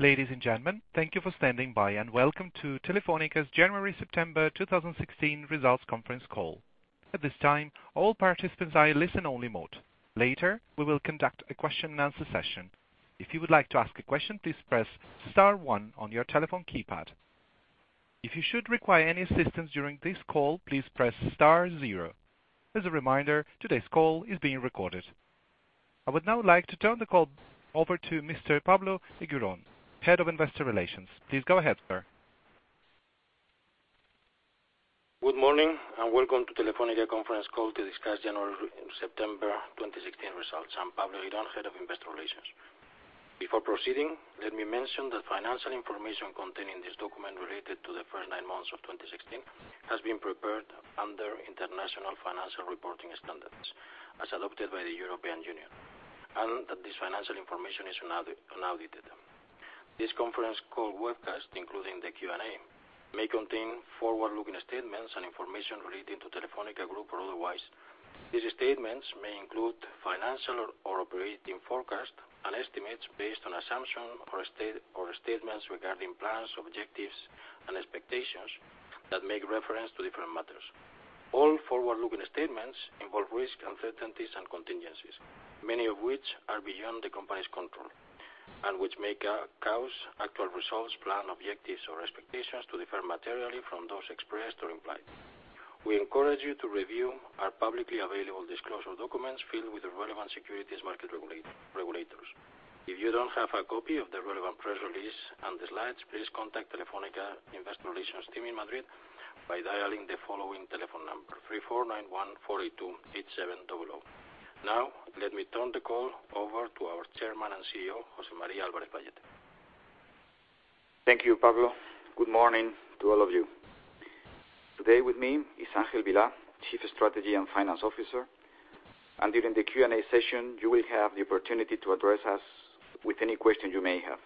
Ladies and gentlemen, thank you for standing by and welcome to Telefónica's January, September 2016 results conference call. At this time, all participants are in listen only mode. Later, we will conduct a question and answer session. If you would like to ask a question, please press star one on your telephone keypad. If you should require any assistance during this call, please press star zero. As a reminder, today's call is being recorded. I would now like to turn the call over to Mr. Pablo Eguirón, Head of Investor Relations. Please go ahead, sir. Good morning and welcome to Telefónica conference call to discuss January and September 2016 results. I'm Pablo Eguirón, Head of Investor Relations. Before proceeding, let me mention that financial information contained in this document related to the first nine months of 2016 has been prepared under International Financial Reporting Standards, as adopted by the European Union, and that this financial information is unaudited. This conference call webcast, including the Q&A, may contain forward-looking statements and information relating to Telefónica Group or otherwise. These statements may include financial or operating forecasts and estimates based on assumption or statements regarding plans, objectives, and expectations that make reference to different matters. All forward-looking statements involve risks, uncertainties, and contingencies, many of which are beyond the company's control, which may cause actual results, plan objectives or expectations to differ materially from those expressed or implied. We encourage you to review our publicly available disclosure documents filed with the relevant securities market regulators. If you don't have a copy of the relevant press release and the slides, please contact Telefónica Investor Relations team in Madrid by dialing the following telephone number, 34914828700. Now, let me turn the call over to our Chairman and CEO, José María Álvarez-Pallete. Thank you, Pablo. Good morning to all of you. Today with me is Ángel Vilá, Chief Strategy and Finance Officer, and during the Q&A session, you will have the opportunity to address us with any question you may have.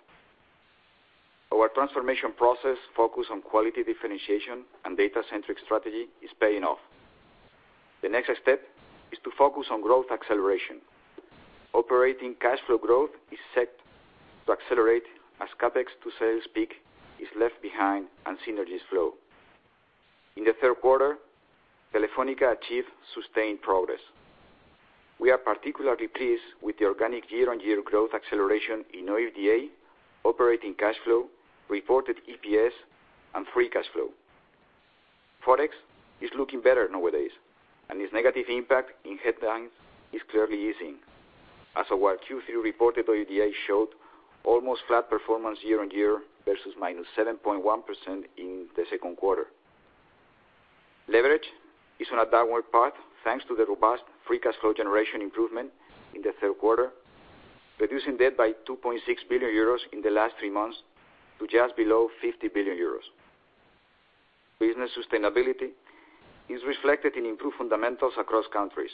Our transformation process focus on quality differentiation and data centric strategy is paying off. The next step is to focus on growth acceleration. Operating cash flow growth is set to accelerate as CapEx-to-sales peak is left behind and synergies flow. In the third quarter, Telefónica achieved sustained progress. We are particularly pleased with the organic year-on-year growth acceleration in OIBDA, operating cash flow, reported EPS, and free cash flow. Forex is looking better nowadays, and its negative impact in headlines is clearly easing. As of Q3 reported OIBDA showed almost flat performance year-on-year versus -7.1% in the second quarter. Leverage is on a downward path, thanks to the robust free cash flow generation improvement in the third quarter, reducing debt by 2.6 billion euros in the last three months to just below 50 billion euros. Business sustainability is reflected in improved fundamentals across countries.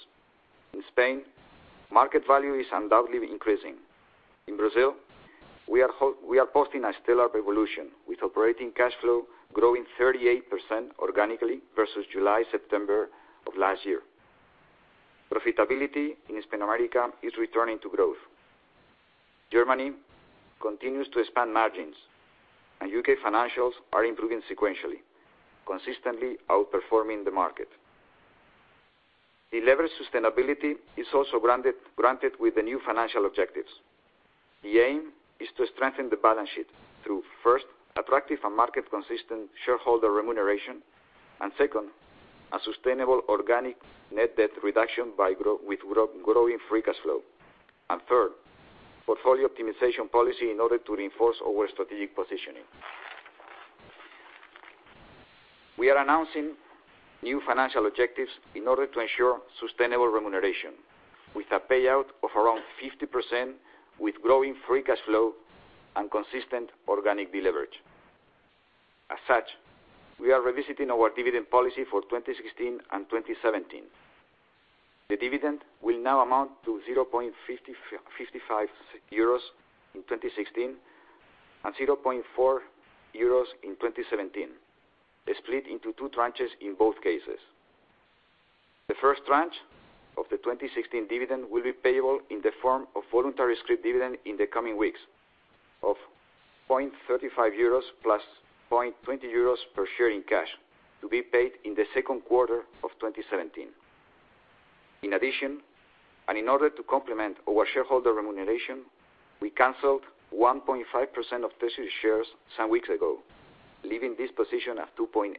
In Spain, market value is undoubtedly increasing. In Brazil, we are posting a stellar revolution, with operating cash flow growing 38% organically versus July, September of last year. Profitability in Hispanoamérica is returning to growth. Germany continues to expand margins, and U.K. financials are improving sequentially, consistently outperforming the market. The leverage sustainability is also granted with the new financial objectives. The aim is to strengthen the balance sheet through, first, attractive and market consistent shareholder remuneration, and second, a sustainable organic net debt reduction with growing free cash flow. Third, portfolio optimization policy in order to reinforce our strategic positioning. We are announcing new financial objectives in order to ensure sustainable remuneration, with a payout of around 50% with growing free cash flow and consistent organic deleverage. As such, we are revisiting our dividend policy for 2016 and 2017. The dividend will now amount to 0.55 euros in 2016 and 0.4 euros in 2017. They are split into two tranches in both cases. The first tranche of the 2016 dividend will be payable in the form of voluntary script dividend in the coming weeks of 0.35 euros plus 0.20 euros per share in cash to be paid in the second quarter of 2017. In addition, in order to complement our shareholder remuneration, we canceled 1.5% of treasury shares some weeks ago, leaving this position at 2.8%.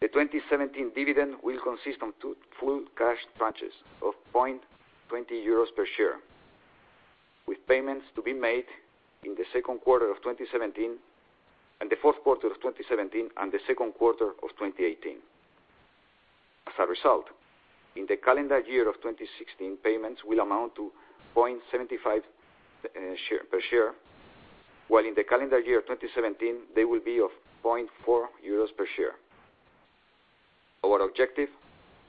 The 2017 dividend will consist on two full cash tranches of 0.20 euros per share, with payments to be made in the second quarter of 2017 and the fourth quarter of 2017 and the second quarter of 2018. As a result, in the calendar year of 2016, payments will amount to 0.75 per share, while in the calendar year 2017, they will be of 0.4 euros per share. Our objective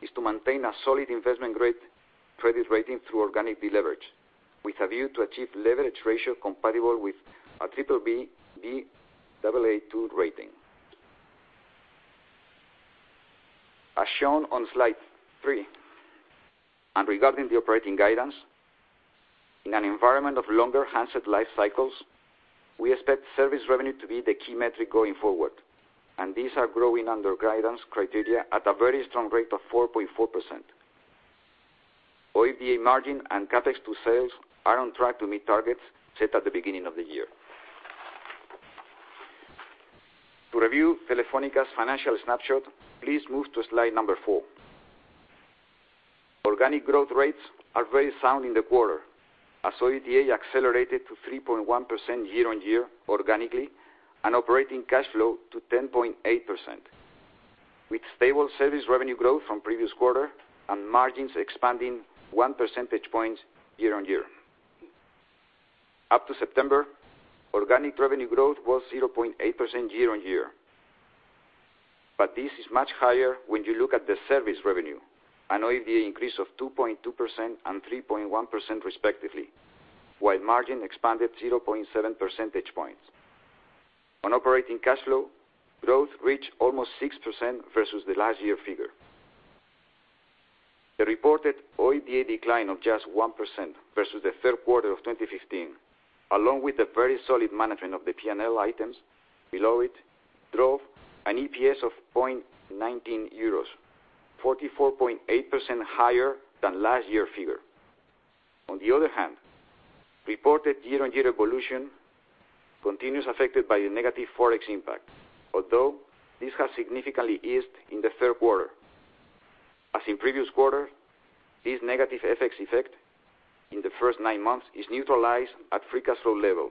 is to maintain a solid investment grade credit rating through organic deleverage, with a view to achieve leverage ratio compatible with a BBB/Baa2 rating. As shown on slide three, regarding the operating guidance, in an environment of longer handset life cycles, we expect service revenue to be the key metric going forward, and these are growing under guidance criteria at a very strong rate of 4.4%. OIBDA margin and CapEx to sales are on track to meet targets set at the beginning of the year. To review Telefónica's financial snapshot, please move to slide number four. Organic growth rates are very sound in the quarter, as OIBDA accelerated to 3.1% year-on-year organically, and operating cash flow to 10.8%, with stable service revenue growth from previous quarter, and margins expanding one percentage point year-on-year. Up to September, organic revenue growth was 0.8% year-on-year. This is much higher when you look at the service revenue, an OIBDA increase of 2.2% and 3.1% respectively, while margin expanded 0.7 percentage points. On operating cash flow, growth reached almost 6% versus the last year figure. The reported OIBDA decline of just 1% versus the third quarter of 2015, along with the very solid management of the P&L items below it, drove an EPS of 0.19 euros, 44.8% higher than last year figure. On the other hand, reported year-on-year evolution continues affected by the negative ForEx impact. Although, this has significantly eased in the third quarter. As in previous quarter, this negative FX effect in the first nine months is neutralized at free cash flow level,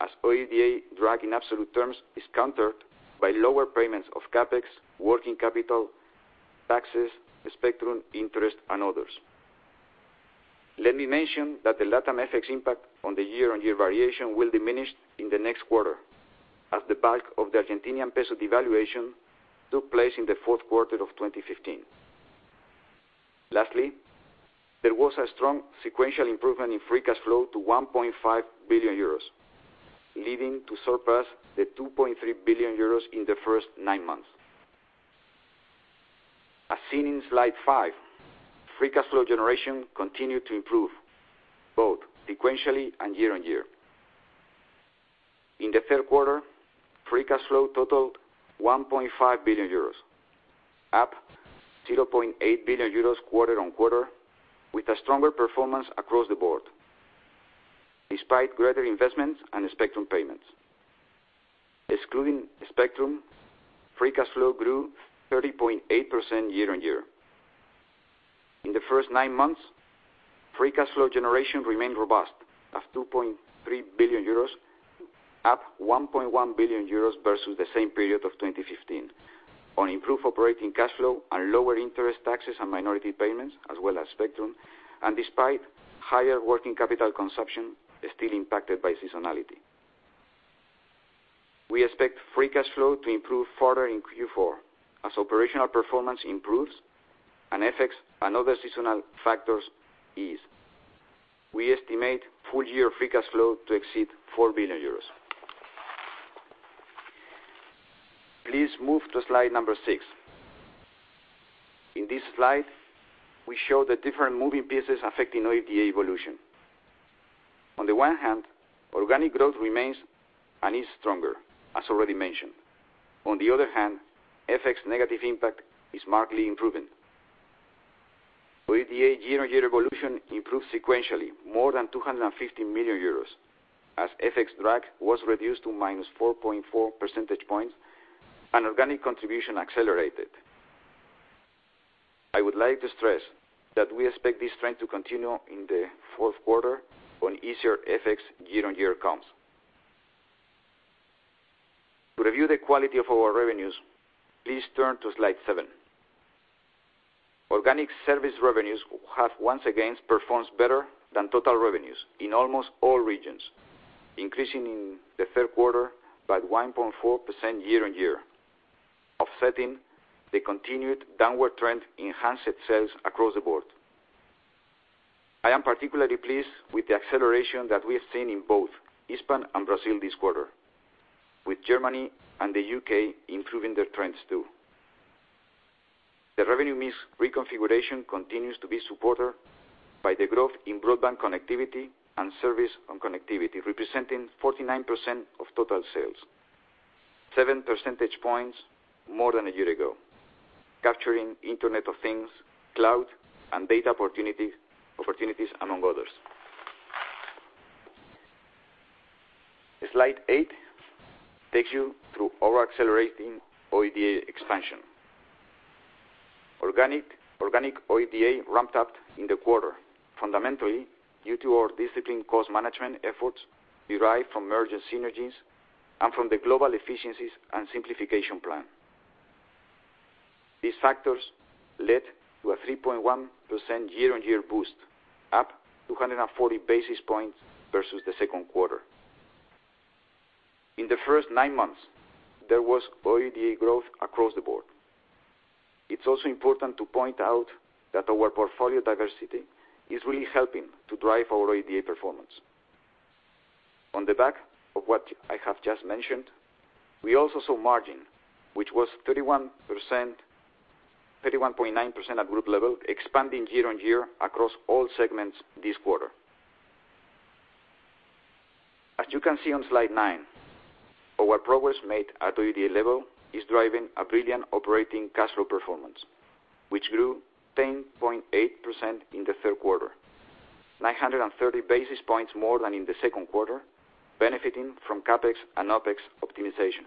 as OIBDA drag in absolute terms is countered by lower payments of CapEx, working capital, taxes, spectrum interest, and others. Let me mention that the LatAm FX impact on the year-on-year variation will diminish in the next quarter as the bulk of the Argentinian peso devaluation took place in the fourth quarter of 2015. Lastly, there was a strong sequential improvement in free cash flow to 1.5 billion euros, leading to surpass the 2.3 billion euros in the first nine months. As seen in slide five, free cash flow generation continued to improve, both sequentially and year-on-year. In the third quarter, free cash flow totaled 1.5 billion euros, up 0.8 billion euros quarter-on-quarter, with a stronger performance across the board, despite greater investments and spectrum payments. Excluding spectrum, free cash flow grew 30.8% year-on-year. In the first nine months, free cash flow generation remained robust at 2.3 billion euros, up 1.1 billion euros versus the same period of 2015, on improved operating cash flow and lower interest taxes and minority payments, as well as spectrum, and despite higher working capital consumption, still impacted by seasonality. We expect free cash flow to improve further in Q4, as operational performance improves and FX and other seasonal factors ease. We estimate full year free cash flow to exceed 4 billion euros. Please move to slide number six. In this slide, we show the different moving pieces affecting OIBDA evolution. On the one hand, organic growth remains and is stronger, as already mentioned. On the other hand, FX negative impact is markedly improving. OIBDA year-on-year evolution improved sequentially more than 250 million euros, as FX drag was reduced to minus 4.4 percentage points, and organic contribution accelerated. I would like to stress that we expect this trend to continue in the fourth quarter on easier FX year-on-year comps. To review the quality of our revenues, please turn to slide seven. Organic service revenues have once again performed better than total revenues in almost all regions, increasing in the third quarter by 1.4% year-on-year, offsetting the continued downward trend in handset sales across the board. I am particularly pleased with the acceleration that we have seen in both Hispam and Brazil this quarter, with Germany and the U.K. improving their trends, too. The revenue mix reconfiguration continues to be supported by the growth in broadband connectivity and service on connectivity, representing 49% of total sales, seven percentage points more than a year ago, capturing Internet of Things, cloud, and data opportunities, among others. Slide eight takes you through our accelerating OIBDA expansion. Organic OIBDA ramped up in the quarter, fundamentally due to our disciplined cost management efforts derived from merger synergies and from the global efficiencies and simplification plan. These factors led to a 3.1% year-on-year boost, up 240 basis points versus the second quarter. In the first nine months, there was OIBDA growth across the board. It's also important to point out that our portfolio diversity is really helping to drive our OIBDA performance. On the back of what I have just mentioned, we also saw margin, which was 31.9% at group level, expanding year-on-year across all segments this quarter. As you can see on slide nine, our progress made at OIBDA level is driving a brilliant operating cash flow performance, which grew 10.8% in the third quarter, 930 basis points more than in the second quarter, benefiting from CapEx and OpEx optimization.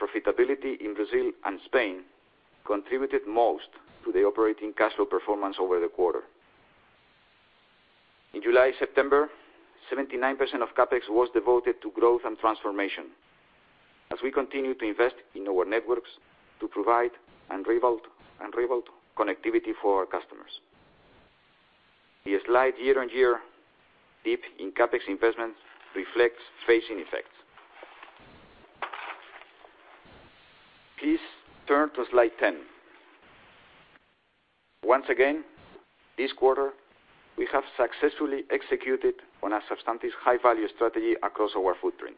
Profitability in Brazil and Spain contributed most to the operating cash flow performance over the quarter. In July, September, 79% of CapEx was devoted to growth and transformation, as we continue to invest in our networks to provide unrivaled connectivity for our customers. The slight year-on-year dip in CapEx investment reflects phasing effects. Please turn to slide 10. Once again, this quarter, we have successfully executed on our substantive high-value strategy across our footprint,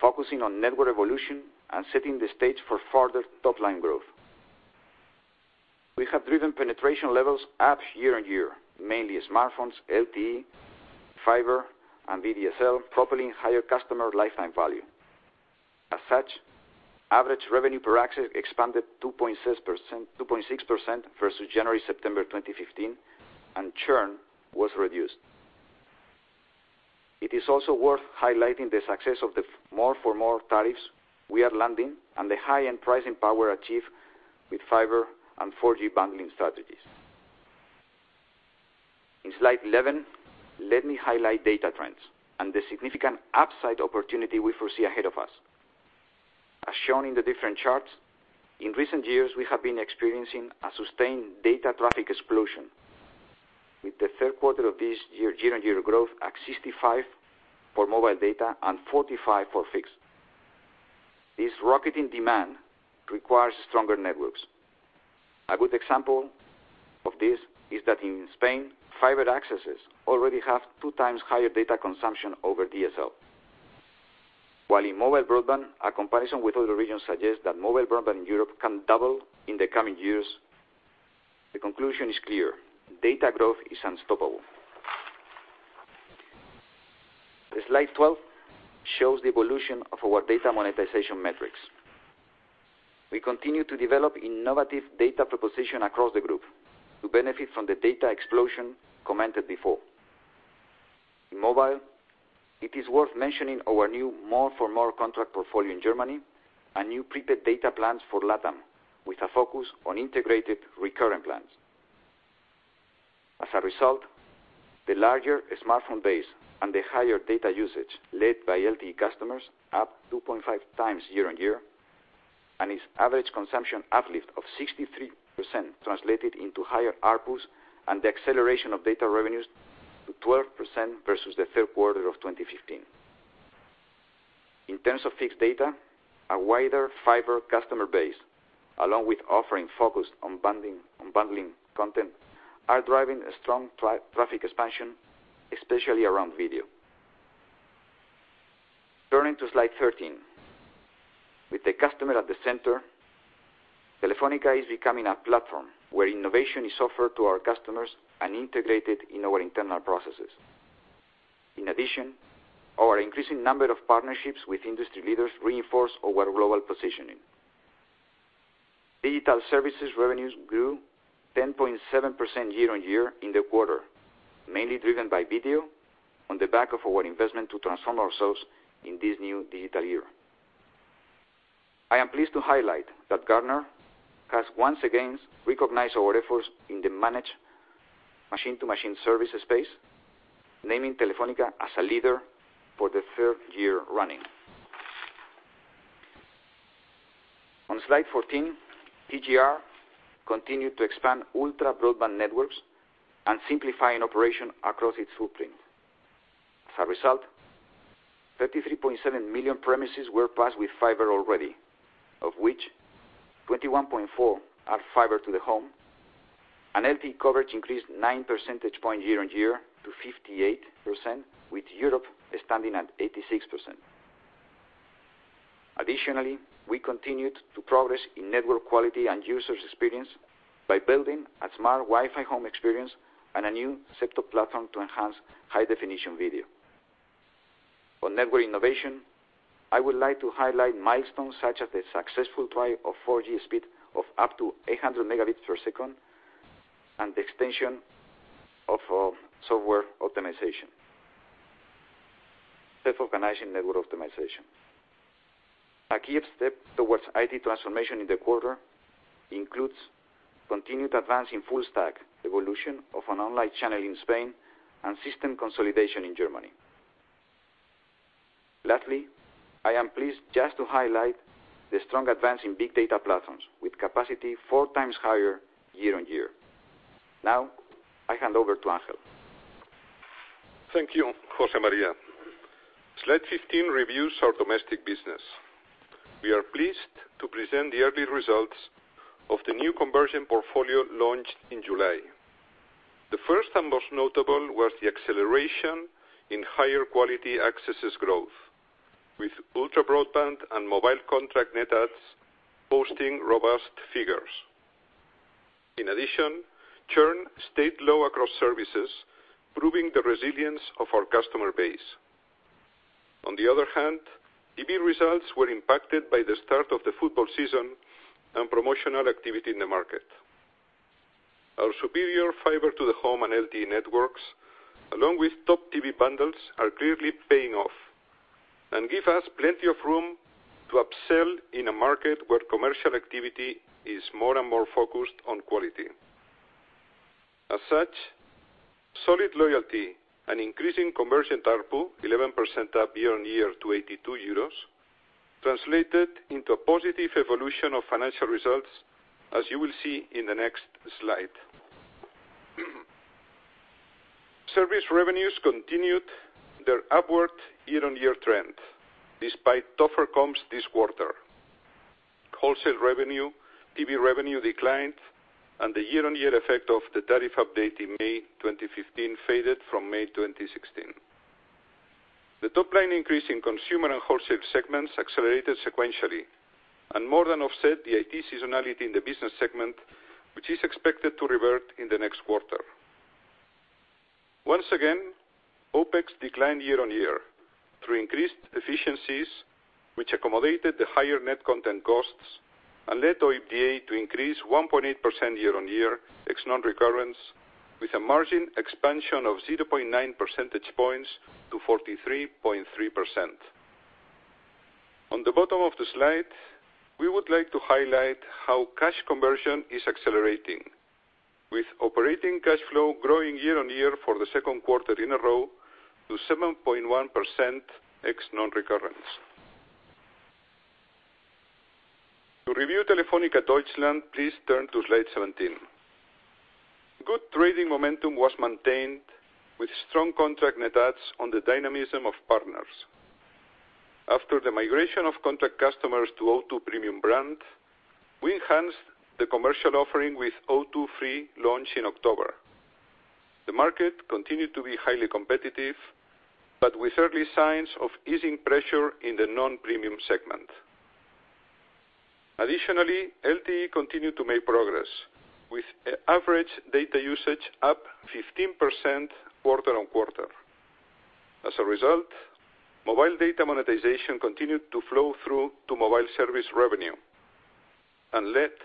focusing on network evolution and setting the stage for further top-line growth. We have driven penetration levels up year-on-year, mainly smartphones, LTE, fiber, and VDSL, propelling higher customer lifetime value. As such, average revenue per access expanded 2.6% versus January-September 2015, and churn was reduced. It is also worth highlighting the success of the more for more tariffs we are landing and the high-end pricing power achieved with fiber and 4G bundling strategies. In slide 11, let me highlight data trends and the significant upside opportunity we foresee ahead of us. As shown in the different charts, in recent years, we have been experiencing a sustained data traffic explosion, with the third quarter of this year-on-year growth at 65% for mobile data and 45% for fixed. This rocket in demand requires stronger networks. A good example of this is that in Spain, fiber accesses already have two times higher data consumption over DSL. While in mobile broadband, a comparison with other regions suggests that mobile broadband in Europe can double in the coming years. The conclusion is clear: Data growth is unstoppable. The slide 12 shows the evolution of our data monetization metrics. We continue to develop innovative data proposition across the group to benefit from the data explosion commented before. In mobile, it is worth mentioning our new more for more contract portfolio in Germany and new prepaid data plans for LATAM with a focus on integrated recurring plans. As a result, the larger smartphone base and the higher data usage led by LTE customers up 2.5 times year-on-year, and its average consumption uplift of 63% translated into higher ARPU and the acceleration of data revenues to 12% versus the third quarter of 2015. In terms of fixed data, a wider fiber customer base, along with offering focused on bundling content, are driving a strong traffic expansion, especially around video. Turning to slide 13. With the customer at the center, Telefónica is becoming a platform where innovation is offered to our customers and integrated in our internal processes. In addition, our increasing number of partnerships with industry leaders reinforce our global positioning. Digital services revenues grew 10.7% year-on-year in the quarter, mainly driven by video on the back of our investment to transform ourselves in this new digital era. I am pleased to highlight that Gartner has once again recognized our efforts in the managed machine-to-machine service space, naming Telefónica as a leader for the third year running. On slide 14, EGR continued to expand ultra-broadband networks and simplify an operation across its footprint. As a result, 33.7 million premises were passed with fiber already, of which 21.4 add fiber to the home, and LTE coverage increased nine percentage points year on year to 58%, with Europe standing at 86%. Additionally, we continued to progress in network quality and users experience by building a smart Wi-Fi home experience and a new set-top platform to enhance high-definition video. On network innovation, I would like to highlight milestones such as the successful trial of 4G speed of up to 800 megabits per second and the extension of self-organizing network optimization. A key step towards IT transformation in the quarter includes continued advance in full stack evolution of an online channel in Spain and system consolidation in Germany. Lastly, I am pleased just to highlight the strong advance in big data platforms with capacity four times higher year on year. Now I hand over to Ángel. Thank you, José María. Slide 15 reviews our domestic business. We are pleased to present the early results of the new convergence portfolio launched in July. The first and most notable was the acceleration in higher quality accesses growth, with ultra-broadband and mobile contract net adds posting robust figures. Churn stayed low across services, proving the resilience of our customer base. DB results were impacted by the start of the football season and promotional activity in the market. Our superior fiber to the home and LTE networks, along with top TV bundles, are clearly paying off and give us plenty of room to upsell in a market where commercial activity is more and more focused on quality. Solid loyalty and increasing convergence ARPU 11% up year on year to EUR 82 translated into a positive evolution of financial results, as you will see in the next slide. Service revenues continued their upward year-on-year trend, despite tougher comps this quarter. Wholesale revenue, TV revenue declined, and the year-on-year effect of the tariff update in May 2015 faded from May 2016. The top-line increase in consumer and wholesale segments accelerated sequentially and more than offset the IT seasonality in the business segment, which is expected to revert in the next quarter. Once again, OPEX declined year on year through increased efficiencies, which accommodated the higher net content costs and led OIBDA to increase 1.8% year on year, ex non-recurrence, with a margin expansion of 0.9 percentage points to 43.3%. On the bottom of the slide, we would like to highlight how cash convergence is accelerating, with operating cash flow growing year-on-year for the second quarter in a row to 7.1% ex non-recurrence. To review Telefónica Deutschland, please turn to slide 17. Good trading momentum was maintained with strong contract net adds on the dynamism of partners. After the migration of contract customers to O2 premium brand, we enhanced the commercial offering with O2 Free launch in October. The market continued to be highly competitive, but with early signs of easing pressure in the non-premium segment. Additionally, LTE continued to make progress, with average data usage up 15% quarter-on-quarter. As a result, mobile data monetization continued to flow through to mobile service revenue and led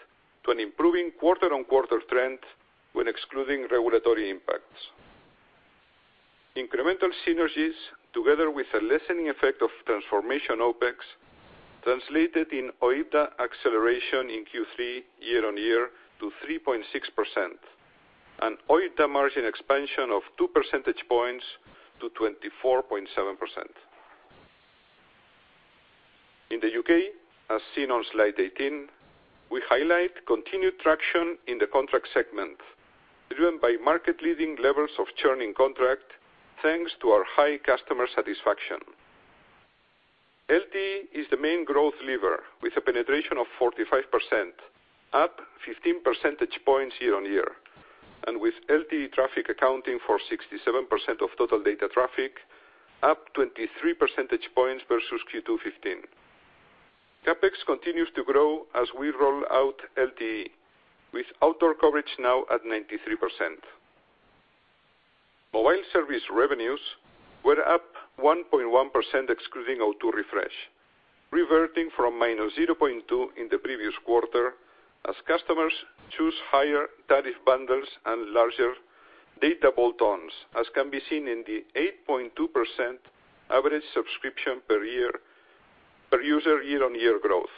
to an improving quarter-on-quarter trend when excluding regulatory impacts. Incremental synergies, together with a lessening effect of transformation OPEX, translated in OIBDA acceleration in Q3 year-on-year to 3.6%, an OIBDA margin expansion of two percentage points to 24.7%. In the U.K., as seen on slide 18, we highlight continued traction in the contract segment, driven by market-leading levels of churning contract, thanks to our high customer satisfaction. LTE is the main growth lever, with a penetration of 45%, up 15 percentage points year-on-year, and with LTE traffic accounting for 67% of total data traffic, up 23 percentage points versus Q2 2015. CapEx continues to grow as we roll out LTE, with outdoor coverage now at 93%. Mobile service revenues were up 1.1% excluding O2 Refresh, reverting from -0.2% in the previous quarter as customers choose higher tariff bundles and larger data bolt-ons, as can be seen in the 8.2% average subscription per year, per user year-on-year growth.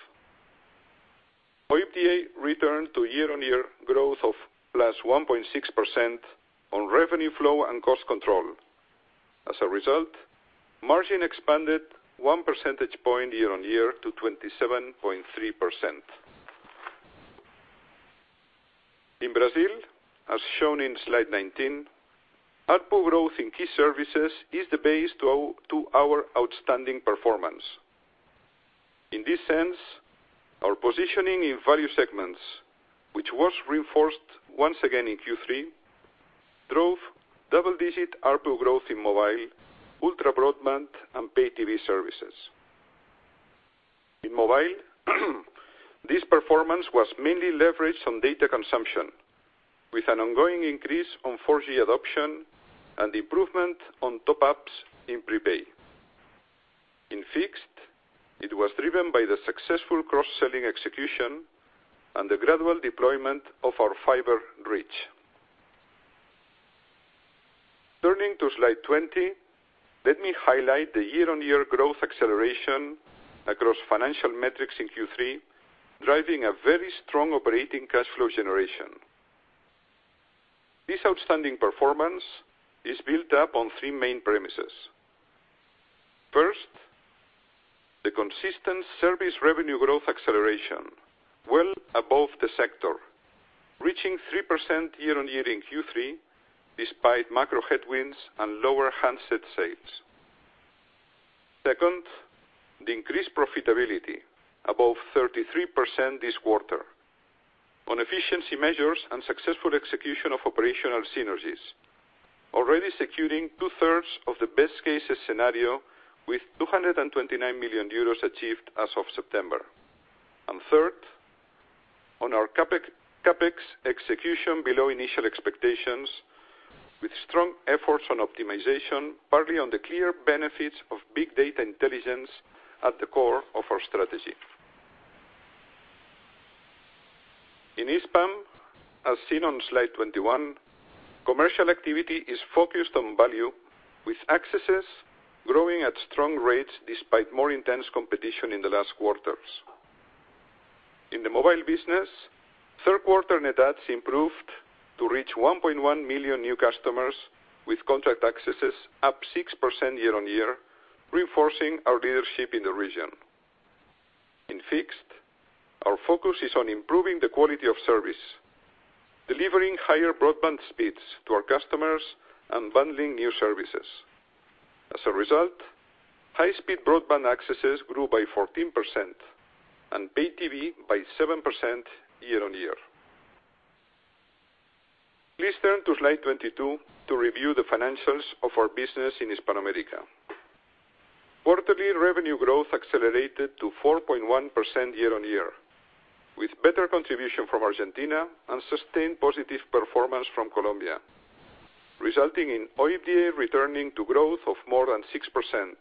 OIBDA returned to year-on-year growth of +1.6% on revenue flow and cost control. As a result, margin expanded one percentage point year-on-year to 27.3%. In Brazil, as shown in slide 19, ARPU growth in key services is the base to our outstanding performance. In this sense, our positioning in value segments, which was reinforced once again in Q3, drove double-digit ARPU growth in mobile, ultra-broadband, and pay TV services. In mobile, this performance was mainly leveraged on data consumption, with an ongoing increase on 4G adoption and improvement on top-ups in prepaid. In fixed, it was driven by the successful cross-selling execution and the gradual deployment of our fiber reach. Turning to slide 20, let me highlight the year-on-year growth acceleration across financial metrics in Q3, driving a very strong operating cash flow generation. This outstanding performance is built up on three main premises. First, the consistent service revenue growth acceleration well above the sector, reaching 3% year-on-year in Q3, despite macro headwinds and lower handset sales. Second, the increased profitability, above 33% this quarter on efficiency measures and successful execution of operational synergies, already securing two-thirds of the best-cases scenario with 229 million euros achieved as of September. Third, on our CapEx execution below initial expectations, with strong efforts on optimization, partly on the clear benefits of big data intelligence at the core of our strategy. In Hispam, as seen on slide 21, commercial activity is focused on value with accesses growing at strong rates despite more intense competition in the last quarters. In the mobile business, third quarter net adds improved to reach 1.1 million new customers, with contract accesses up 6% year-on-year, reinforcing our leadership in the region. In fixed, our focus is on improving the quality of service, delivering higher broadband speeds to our customers and bundling new services. As a result, high-speed broadband accesses grew by 14% and pay TV by 7% year-on-year. Please turn to slide 22 to review the financials of our business in Hispanoamérica. Quarterly revenue growth accelerated to 4.1% year-on-year, with better contribution from Argentina and sustained positive performance from Colombia, resulting in OIBDA returning to growth of more than 6%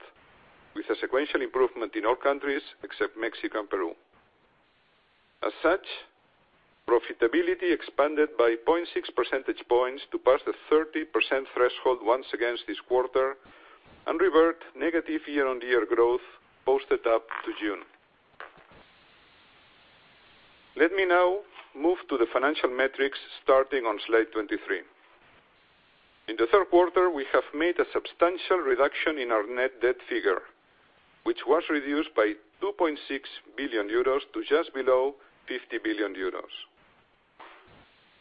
with a sequential improvement in all countries except Mexico and Peru. As such, profitability expanded by 0.6 percentage points to pass the 30% threshold once again this quarter and revert negative year-on-year growth posted up to June. Let me now move to the financial metrics starting on slide 23. In the third quarter, we have made a substantial reduction in our net debt figure, which was reduced by 2.6 billion euros to just below 50 billion euros.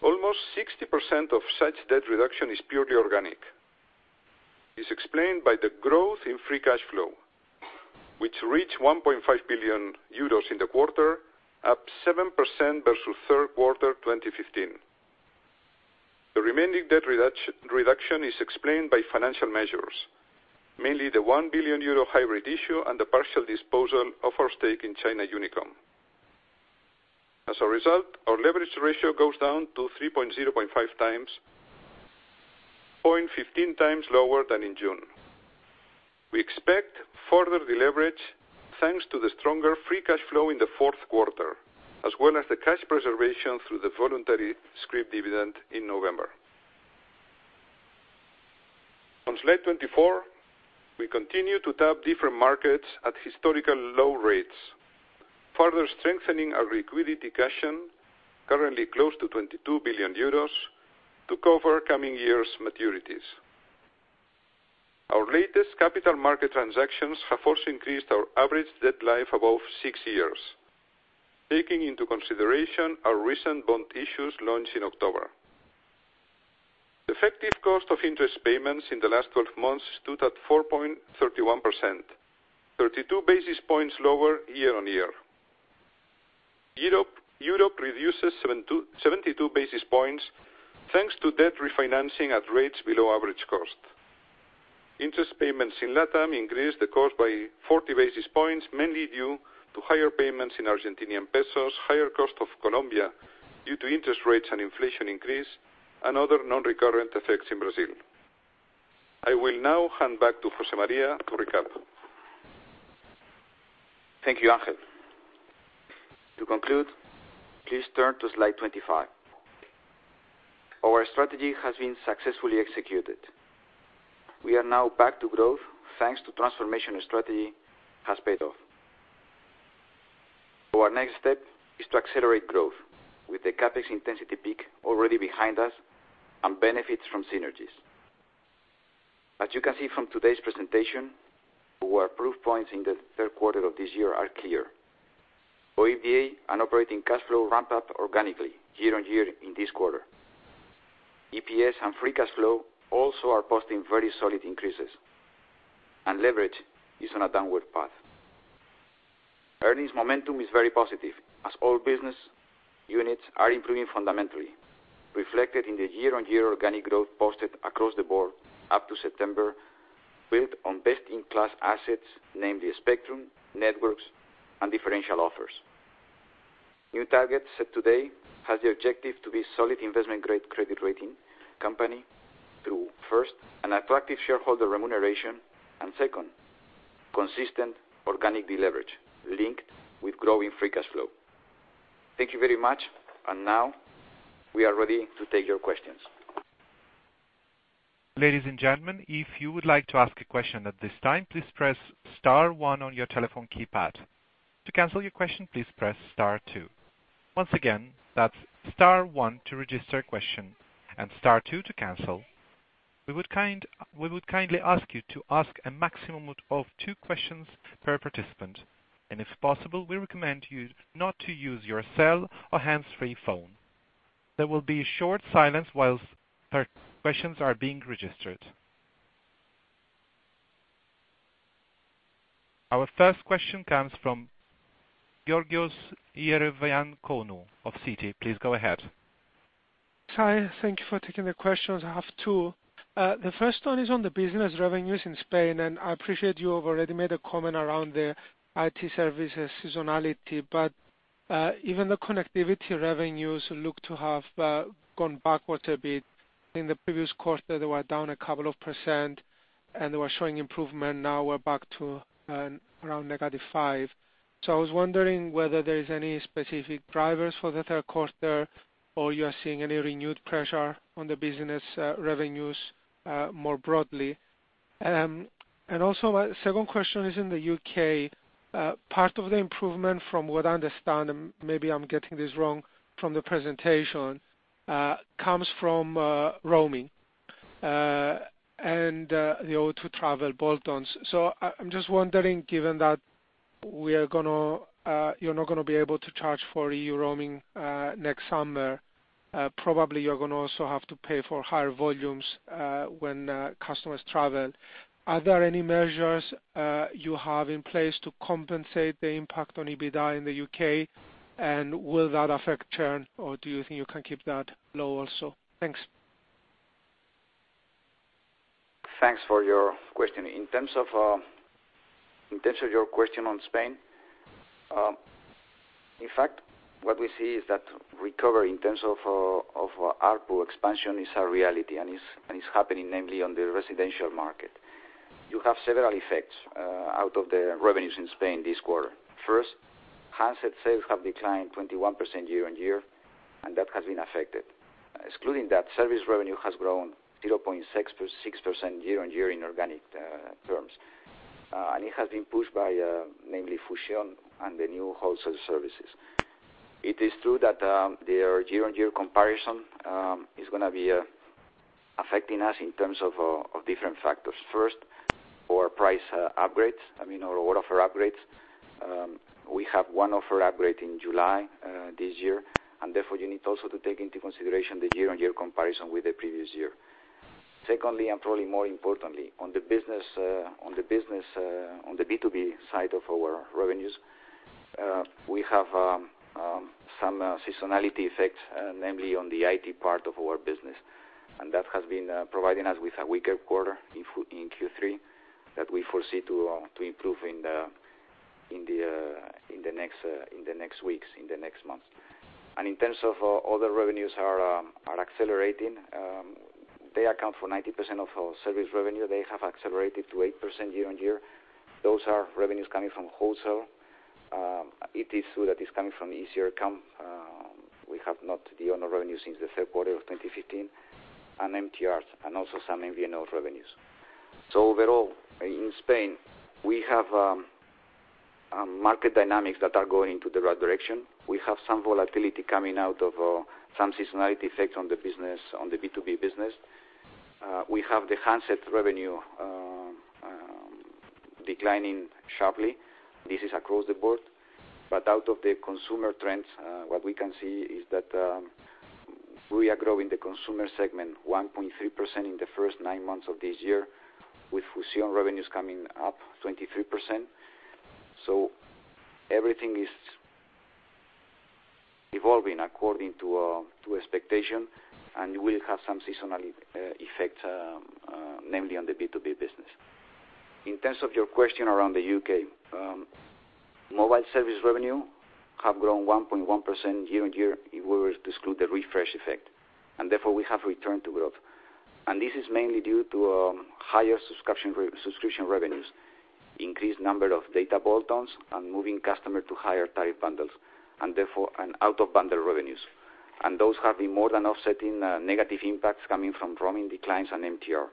Almost 60% of such debt reduction is purely organic, is explained by the growth in free cash flow, which reached 1.5 billion euros in the quarter, up 7% versus third quarter 2015. The remaining debt reduction is explained by financial measures, mainly the 1 billion euro hybrid issue and the partial disposal of our stake in China Unicom. As a result, our leverage ratio goes down to 3.05 times, 0.15 times lower than in June. We expect further deleverage thanks to the stronger free cash flow in the fourth quarter, as well as the cash preservation through the voluntary scrip dividend in November. On slide 24, we continue to tap different markets at historical low rates, further strengthening our liquidity cushion, currently close to 22 billion euros, to cover coming years' maturities. Our latest capital market transactions have also increased our average debt life above six years, taking into consideration our recent bond issues launched in October. The effective cost of interest payments in the last 12 months stood at 4.31%, 32 basis points lower year-on-year. Europe reduces 72 basis points, thanks to debt refinancing at rates below average cost. Interest payments in LATAM increased the cost by 40 basis points, mainly due to higher payments in Argentinian pesos, higher cost of Colombia due to interest rates and inflation increase, and other non-recurrent effects in Brazil. I will now hand back to José María to recap. Thank you, Ángel. To conclude, please turn to slide 25. Our strategy has been successfully executed. We are now back to growth, thanks to transformation strategy has paid off. Our next step is to accelerate growth with the CapEx intensity peak already behind us and benefits from synergies. As you can see from today's presentation, our proof points in the third quarter of this year are clear. OIBDA and operating cash flow ramped up organically year-on-year in this quarter. EPS and free cash flow also are posting very solid increases. Leverage is on a downward path. Earnings momentum is very positive as all business units are improving fundamentally, reflected in the year-on-year organic growth posted across the board up to September, built on best-in-class assets, namely spectrum, networks, and differential offers. New targets set today have the objective to be solid investment-grade credit rating company through, first, an attractive shareholder remuneration, and second, consistent organic deleverage linked with growing free cash flow. Thank you very much. Now we are ready to take your questions. Ladies and gentlemen, if you would like to ask a question at this time, please press *1 on your telephone keypad. To cancel your question, please press *2. Once again, that's *1 to register a question and *2 to cancel. We would kindly ask you to ask a maximum of two questions per participant, and if possible, we recommend you not to use your cell or hands-free phone. There will be a short silence whilst questions are being registered. Our first question comes from Georgios Ierodiaconou of Citi. Please go ahead. Hi. Thank you for taking the questions. I have two. The first one is on the business revenues in Spain, and I appreciate you have already made a comment around the IT services seasonality, but even the connectivity revenues look to have gone backwards a bit. In the previous quarter, they were down a couple of %, and they were showing improvement. Now we're back to around negative five. I was wondering whether there is any specific drivers for the third quarter or you are seeing any renewed pressure on the business revenues more broadly. Also, my second question is in the U.K. Part of the improvement from what I understand, and maybe I'm getting this wrong from the presentation, comes from roaming, and the O2 Travel bolt-ons. I'm just wondering, given that you're not going to be able to charge for EU roaming next summer, probably you're going to also have to pay for higher volumes when customers travel. Are there any measures you have in place to compensate the impact on EBITDA in the U.K., and will that affect churn, or do you think you can keep that low also? Thanks. Thanks for your question. In terms of your question on Spain, in fact, what we see is that recovery in terms of ARPU expansion is a reality, and it's happening namely on the residential market. You have several effects out of the revenues in Spain this quarter. First, handset sales have declined 21% year-on-year, and that has been affected. Excluding that, service revenue has grown 0.6% year-on-year in organic terms. It has been pushed by namely Fusión and the new wholesale services. It is true that their year-on-year comparison is going to be affecting us in terms of different factors. First, our price upgrades, our offer upgrades. We have one offer upgrade in July this year, therefore you need also to take into consideration the year-on-year comparison with the previous year. Secondly, probably more importantly, on the B2B side of our revenues, we have some seasonality effects, namely on the IT part of our business, and that has been providing us with a weaker quarter in Q3 that we foresee to improve in the next weeks, in the next months. In terms of other revenues are accelerating. They account for 90% of our service revenue. They have accelerated to 8% year-on-year. Those are revenues coming from wholesale. It is true that it's coming from easier comp. We have not the Ono revenue since the third quarter of 2015, MTRs, and also some MVNO revenues. Overall, in Spain, we have market dynamics that are going into the right direction. We have some volatility coming out of some seasonality effects on the B2B business. We have the handset revenue declining sharply. This is across the board, out of the consumer trends, what we can see is that we are growing the consumer segment 1.3% in the first nine months of this year, with Fusión revenues coming up 23%. Everything is evolving according to expectation, we have some seasonal effects, namely on the B2B business. In terms of your question around the U.K., mobile service revenue have grown 1.1% year-on-year. We will exclude the refresh effect, therefore we have returned to growth. This is mainly due to higher subscription revenues, increased number of data bolt-ons, moving customer to higher tariff bundles, therefore an out-of-bundle revenues. Those have been more than offsetting negative impacts coming from roaming declines and MTR.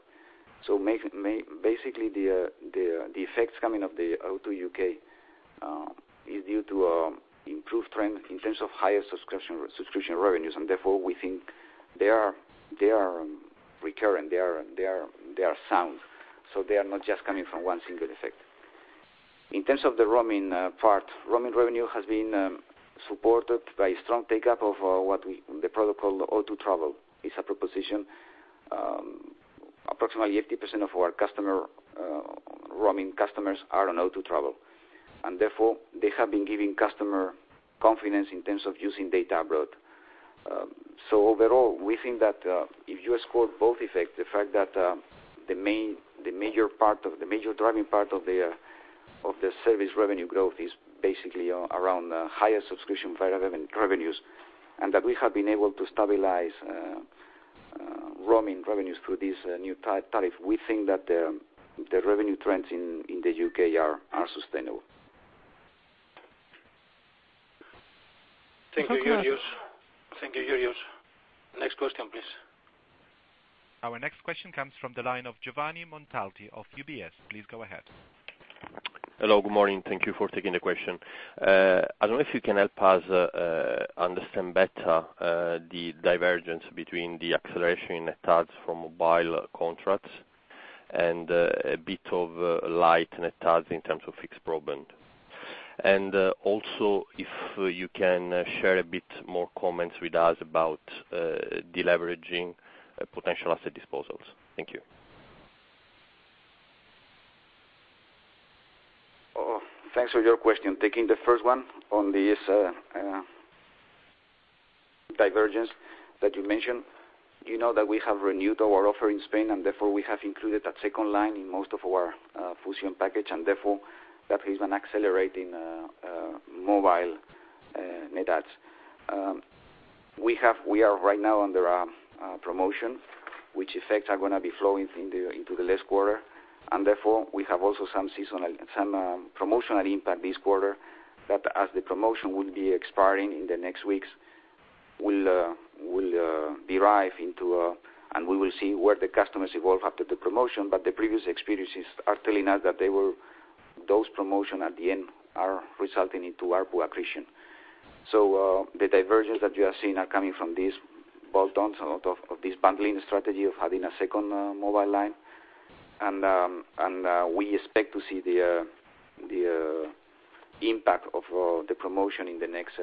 Basically, the effects coming of the O2 UK is due to improved trend in terms of higher subscription revenues. Therefore, we think they are recurring, they are sound. They are not just coming from one single effect. In terms of the roaming part, roaming revenue has been supported by strong take-up of the product called O2 Travel. It's a proposition. Approximately 80% of our roaming customers are on O2 Travel, and therefore they have been giving customer confidence in terms of using data abroad. Overall, we think that if you score both effects, the fact that the major driving part of the service revenue growth is basically around higher subscription revenues, and that we have been able to stabilize roaming revenues through this new tariff. We think that the revenue trends in the U.K. are sustainable. Thank you, Georgios. Next question, please. Our next question comes from the line of Giovanni Montalti of UBS. Please go ahead. Hello. Good morning. Thank you for taking the question. I don't know if you can help us understand better the divergence between the acceleration in net adds from mobile contracts and a bit of light net adds in terms of fixed broadband. If you can share a bit more comments with us about de-leveraging potential asset disposals. Thank you. Thanks for your question. Taking the first one on this divergence that you mentioned. You know that we have renewed our offer in Spain, and therefore we have included that second line in most of our Fusión package, and therefore that has been accelerating mobile net adds. We are right now under a promotion, which effects are going to be flowing into the last quarter. We have also some promotional impact this quarter that as the promotion will be expiring in the next weeks. We will see where the customers evolve after the promotion, but the previous experiences are telling us that those promotion at the end are resulting into ARPU accretion. The divergence that you are seeing are coming from these bolt-ons, a lot of this bundling strategy of having a second mobile line. We expect to see the impact of the promotion in the next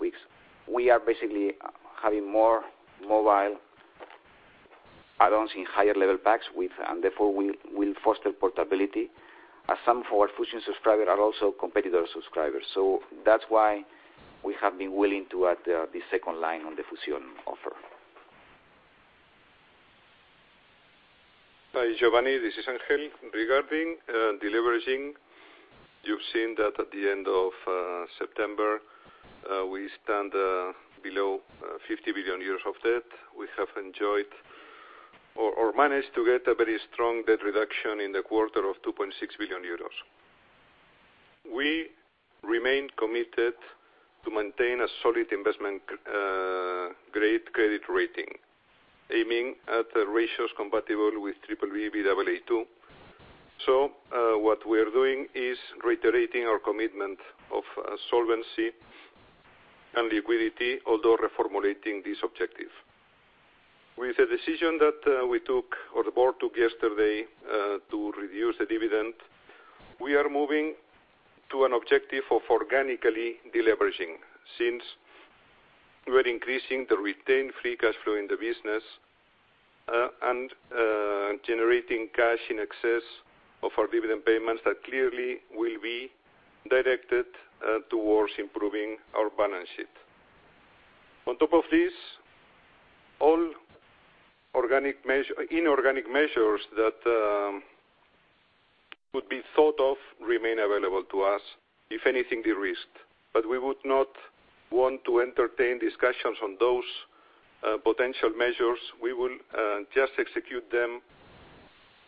weeks. We are basically having more mobile add-ons in higher level packs, and therefore we'll foster portability as some of our Fusión subscribers are also competitor subscribers. That's why we have been willing to add the second line on the Fusión offer. Hi, Giovanni, this is Ángel. Regarding de-leveraging, you've seen that at the end of September, we stand below 50 billion euros of debt. We have enjoyed or managed to get a very strong debt reduction in the quarter of 2.6 billion euros. We remain committed to maintain a solid investment grade credit rating, aiming at ratios compatible with triple B, Baa2. What we are doing is reiterating our commitment of solvency and liquidity, although reformulating this objective. With the decision that we took or the board took yesterday to reduce the dividend, we are moving to an objective of organically de-leveraging since we're increasing the retained free cash flow in the business, and generating cash in excess of our dividend payments that clearly will be directed towards improving our balance sheet. On top of this, all inorganic measures that would be thought of remain available to us, if anything de-risked. We would not want to entertain discussions on those potential measures. We will just execute them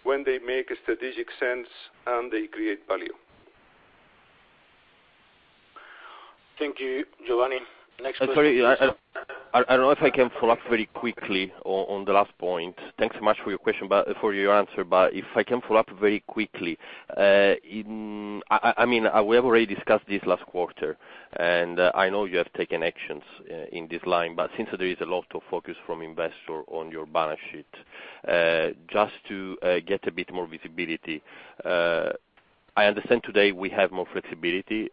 when they make strategic sense, and they create value. Thank you, Giovanni. Next question. Sorry, I don't know if I can follow up very quickly on the last point. Thanks so much for your answer, if I can follow up very quickly. We have already discussed this last quarter, and I know you have taken actions in this line, since there is a lot of focus from investor on your balance sheet, just to get a bit more visibility. I understand today we have more flexibility.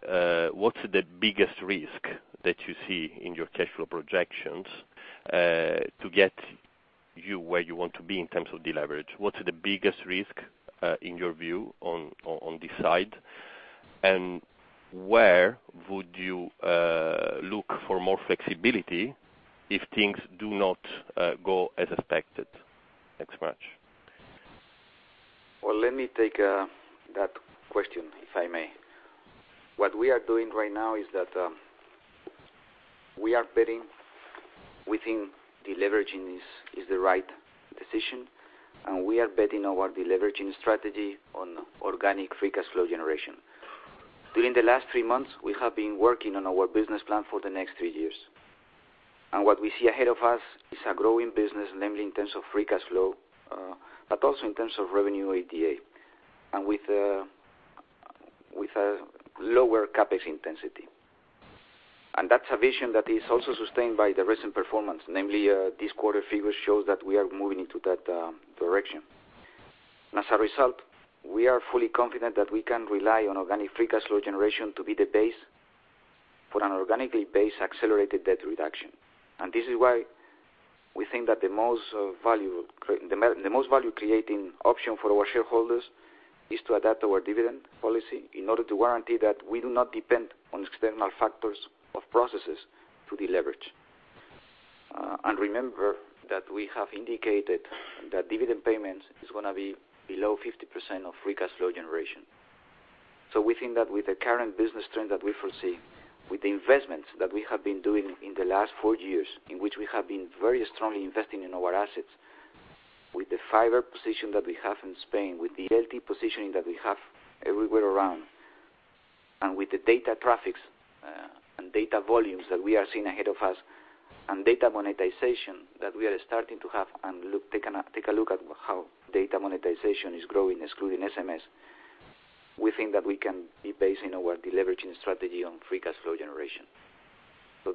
What's the biggest risk that you see in your cash flow projections, to get you where you want to be in terms of de-leverage? What's the biggest risk, in your view, on this side? Where would you look for more flexibility if things do not go as expected? Thanks so much. Well, let me take that question, if I may. What we are doing right now is that we are betting within de-leveraging is the right decision, and we are betting our de-leveraging strategy on organic free cash flow generation. During the last three months, we have been working on our business plan for the next three years. What we see ahead of us is a growing business, namely in terms of free cash flow, but also in terms of revenue and OIBDA, and with a lower CapEx intensity. That's a vision that is also sustained by the recent performance, namely this quarter figure shows that we are moving into that direction. As a result, we are fully confident that we can rely on organic free cash flow generation to be the base for an organically based accelerated debt reduction. This is why we think that the most value-creating option for our shareholders is to adapt our dividend policy in order to guarantee that we do not depend on external factors or processes to de-leverage. Remember that we have indicated that dividend payments is going to be below 50% of free cash flow generation. We think that with the current business trend that we foresee, with the investments that we have been doing in the last four years, in which we have been very strongly investing in our assets, with the fiber position that we have in Spain, with the LTE positioning that we have everywhere around. With the data traffics and data volumes that we are seeing ahead of us, and data monetization that we are starting to have, and take a look at how data monetization is growing, excluding SMS. We think that we can be basing our deleveraging strategy on free cash flow generation.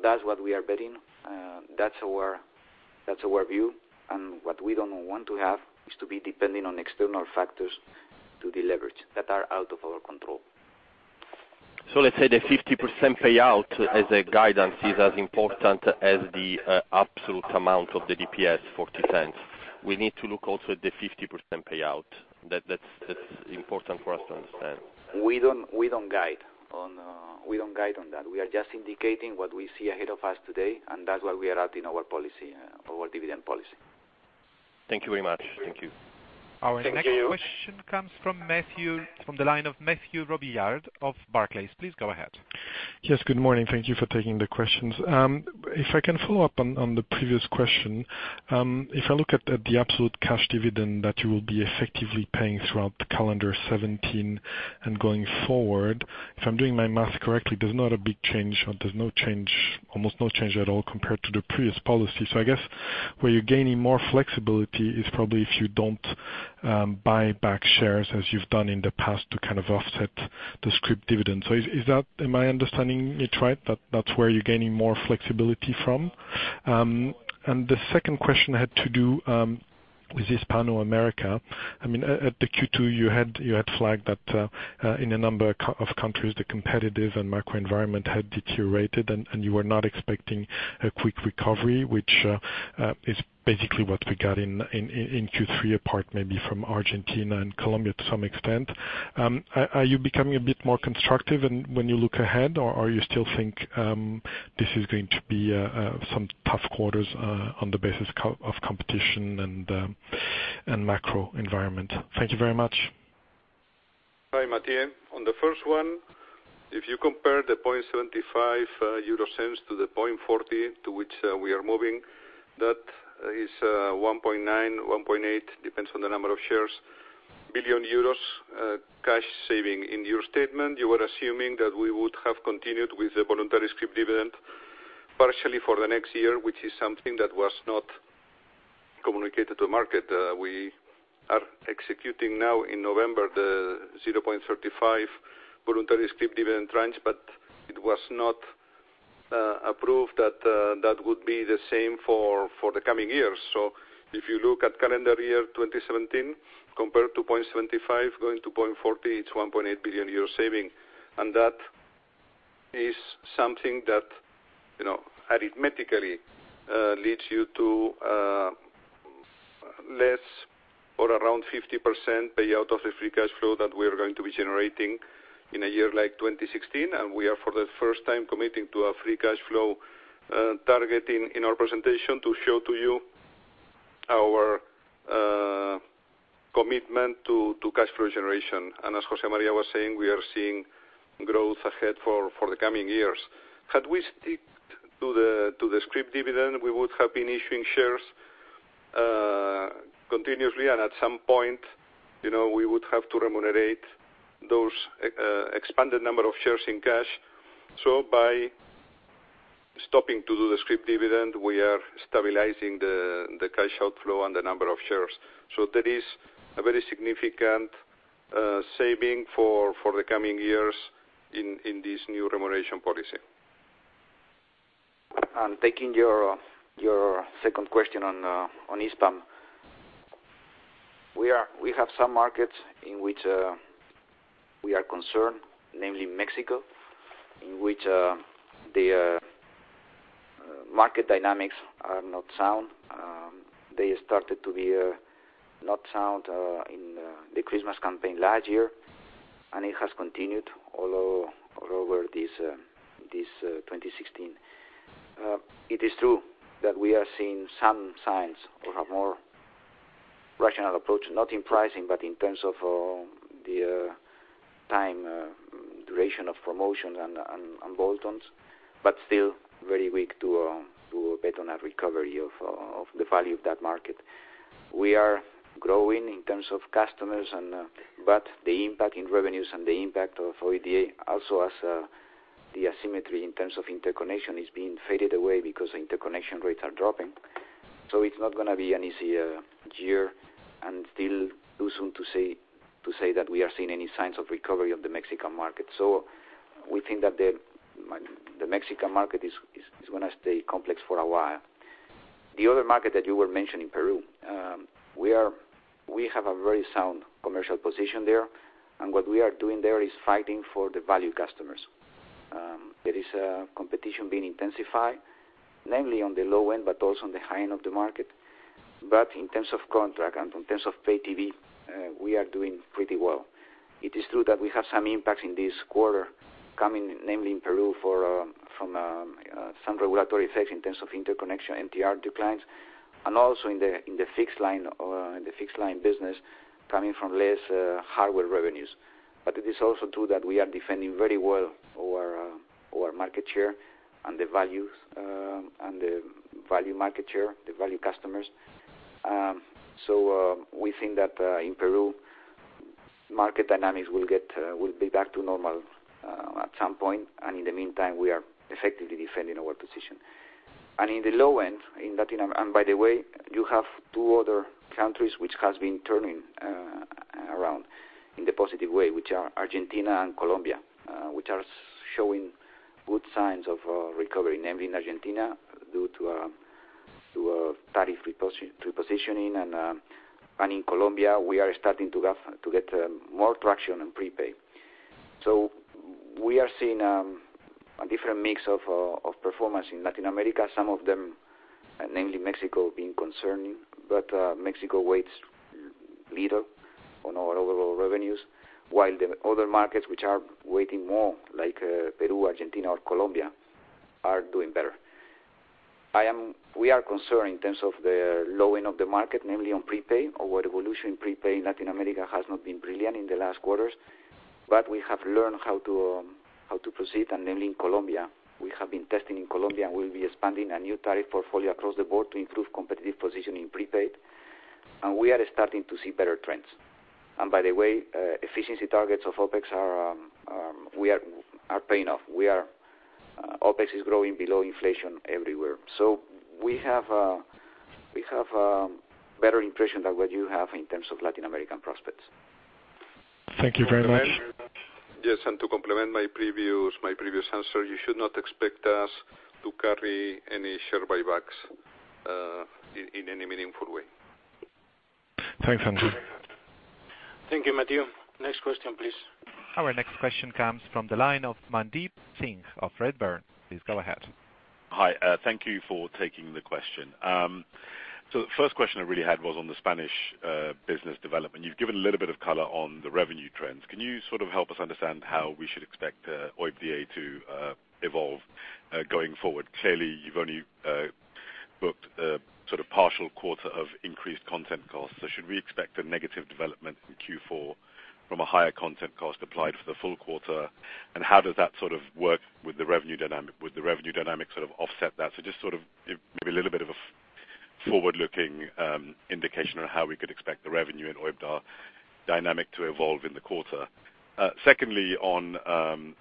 That's what we are betting. That's our view, and what we don't want to have is to be dependent on external factors to deleverage that are out of our control. Let's say the 50% payout as a guidance is as important as the absolute amount of the DPS 0.40. We need to look also at the 50% payout. That's important for us to understand. We don't guide on that. We are just indicating what we see ahead of us today. That's why we are adding our dividend policy. Thank you very much. Thank you. Our next question comes from the line of Mathieu Robilliard of Barclays. Please go ahead. Yes, good morning. Thank you for taking the questions. If I can follow up on the previous question. If I look at the absolute cash dividend that you will be effectively paying throughout calendar 2017 and going forward, if I'm doing my math correctly, there's not a big change, or there's almost no change at all compared to the previous policy. I guess where you're gaining more flexibility is probably if you don't buy back shares as you've done in the past to offset the scrip dividend. Am I understanding it right, that that's where you're gaining more flexibility from? The second question had to do with Hispanoamerica. I mean, at the Q2, you had flagged that in a number of countries, the competitive and macro environment had deteriorated, and you were not expecting a quick recovery, which is basically what we got in Q3, apart maybe from Argentina and Colombia to some extent. Are you becoming a bit more constructive when you look ahead, or you still think this is going to be some tough quarters on the basis of competition and macro environment? Thank you very much. Hi, Mathieu. On the first one, if you compare the 0.75 to the 0.40 to which we are moving, that is 1.9 billion-1.8 billion, depends on the number of shares, cash saving. In your statement, you were assuming that we would have continued with the voluntary scrip dividend partially for the next year, which is something that was not communicated to market. We are executing now in November the 0.35 voluntary scrip dividend tranche, but it was not approved that would be the same for the coming years. If you look at calendar year 2017, compared to 0.75 going to 0.40, it's 1.8 billion euro saving. That is something that arithmetically leads you to less or around 50% payout of the free cash flow that we are going to be generating in a year like 2016. We are for the first time committing to a free cash flow target in our presentation to show to you our commitment to cash flow generation. As José María was saying, we are seeing growth ahead for the coming years. Had we sticked to the scrip dividend, we would have been issuing shares continuously, and at some point, we would have to remunerate those expanded number of shares in cash. By stopping to do the scrip dividend, we are stabilizing the cash outflow and the number of shares. That is a very significant saving for the coming years in this new remuneration policy. Taking your second question on Hispam. We have some markets in which we are concerned, namely Mexico, in which the market dynamics are not sound. They started to be not sound in the Christmas campaign last year, and it has continued all over this 2016. It is true that we are seeing some signs of a more rational approach, not in pricing, but in terms of the time duration of promotions and bolt-ons, but still very weak to bet on a recovery of the value of that market. We are growing in terms of customers, but the impact in revenues and the impact of OIBDA also as the asymmetry in terms of interconnection is being faded away because interconnection rates are dropping. It's not going to be an easy year, and still too soon to say that we are seeing any signs of recovery of the Mexican market. We think that the Mexican market is going to stay complex for a while. The other market that you were mentioning, Peru. We have a very sound commercial position there, and what we are doing there is fighting for the value customers. There is competition being intensified, mainly on the low end, but also on the high end of the market. But in terms of contract and in terms of pay TV, we are doing pretty well. It is true that we have some impacts in this quarter coming namely in Peru from some regulatory effects in terms of interconnection, MTR declines, and also in the fixed line business coming from less hardware revenues. But it is also true that we are defending very well our market share and the value market share, the value customers. We think that in Peru, market dynamics will be back to normal at some point. In the meantime, we are effectively defending our position. In the low end, in Latin America, by the way, you have two other countries which have been turning around in the positive way, which are Argentina and Colombia, which are showing good signs of recovery, namely in Argentina, due to a tariff repositioning. In Colombia, we are starting to get more traction in prepaid. We are seeing a different mix of performance in Latin America. Some of them, namely Mexico, being concerning. Mexico weighs little on our overall revenues, while the other markets which are weighing more, like Peru, Argentina, or Colombia, are doing better. We are concerned in terms of the low end of the market, namely on prepaid, our evolution in prepaid in Latin America has not been brilliant in the last quarters. We have learned how to proceed, and namely in Colombia. We have been testing in Colombia, and we'll be expanding a new tariff portfolio across the board to improve competitive positioning in prepaid. We are starting to see better trends. By the way, efficiency targets of OpEx are paying off. OpEx is growing below inflation everywhere. We have a better impression than what you have in terms of Latin American prospects. Thank you very much. To complement my previous answer, you should not expect us to carry any share buybacks in any meaningful way. Thanks, Ángel. Thank you, Mathieu. Next question, please. Our next question comes from the line of Mandeep Singh of Redburn. Please go ahead. Hi. Thank you for taking the question. The first question I really had was on the Spanish business development. You've given a little bit of color on the revenue trends. Can you help us understand how we should expect OIBDA to evolve going forward? Clearly, you've only booked a partial quarter of increased content costs. Should we expect a negative development in Q4 from a higher content cost applied for the full quarter? How does that work with the revenue dynamic, sort of offset that? Just maybe a little bit of a forward-looking indication on how we could expect the revenue and OIBDA dynamic to evolve in the quarter. Secondly, I'm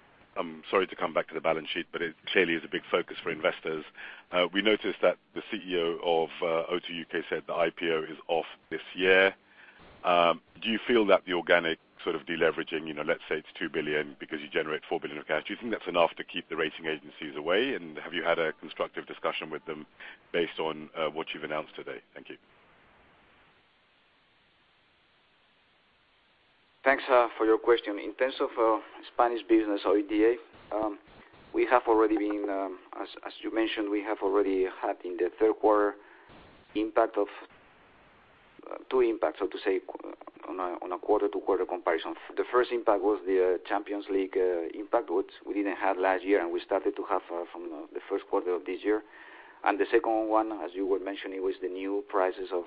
sorry to come back to the balance sheet, but it clearly is a big focus for investors. We noticed that the CEO of O2 UK said the IPO is off this year. Do you feel that the organic deleveraging, let's say it's 2 billion because you generate 4 billion of cash, do you think that's enough to keep the rating agencies away? Have you had a constructive discussion with them based on what you've announced today? Thank you. Thanks for your question. In terms of Spanish business OIBDA, as you mentioned, we have already had in the third quarter two impacts, so to say, on a quarter-to-quarter comparison. The first impact was the Champions League impact, which we didn't have last year, and we started to have from the first quarter of this year. The second one, as you were mentioning, was the new prices of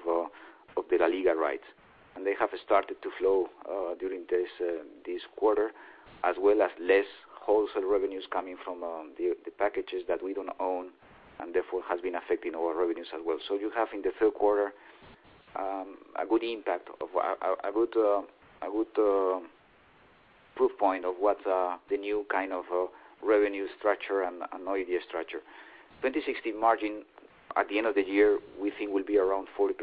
LaLiga rights. They have started to flow during this quarter, as well as less wholesale revenues coming from the packages that we don't own. Therefore has been affecting our revenues as well. You have in the third quarter, a good impact, a good proof point of what the new revenue structure and OIBDA structure. 2016 margin at the end of the year, we think will be around 40%,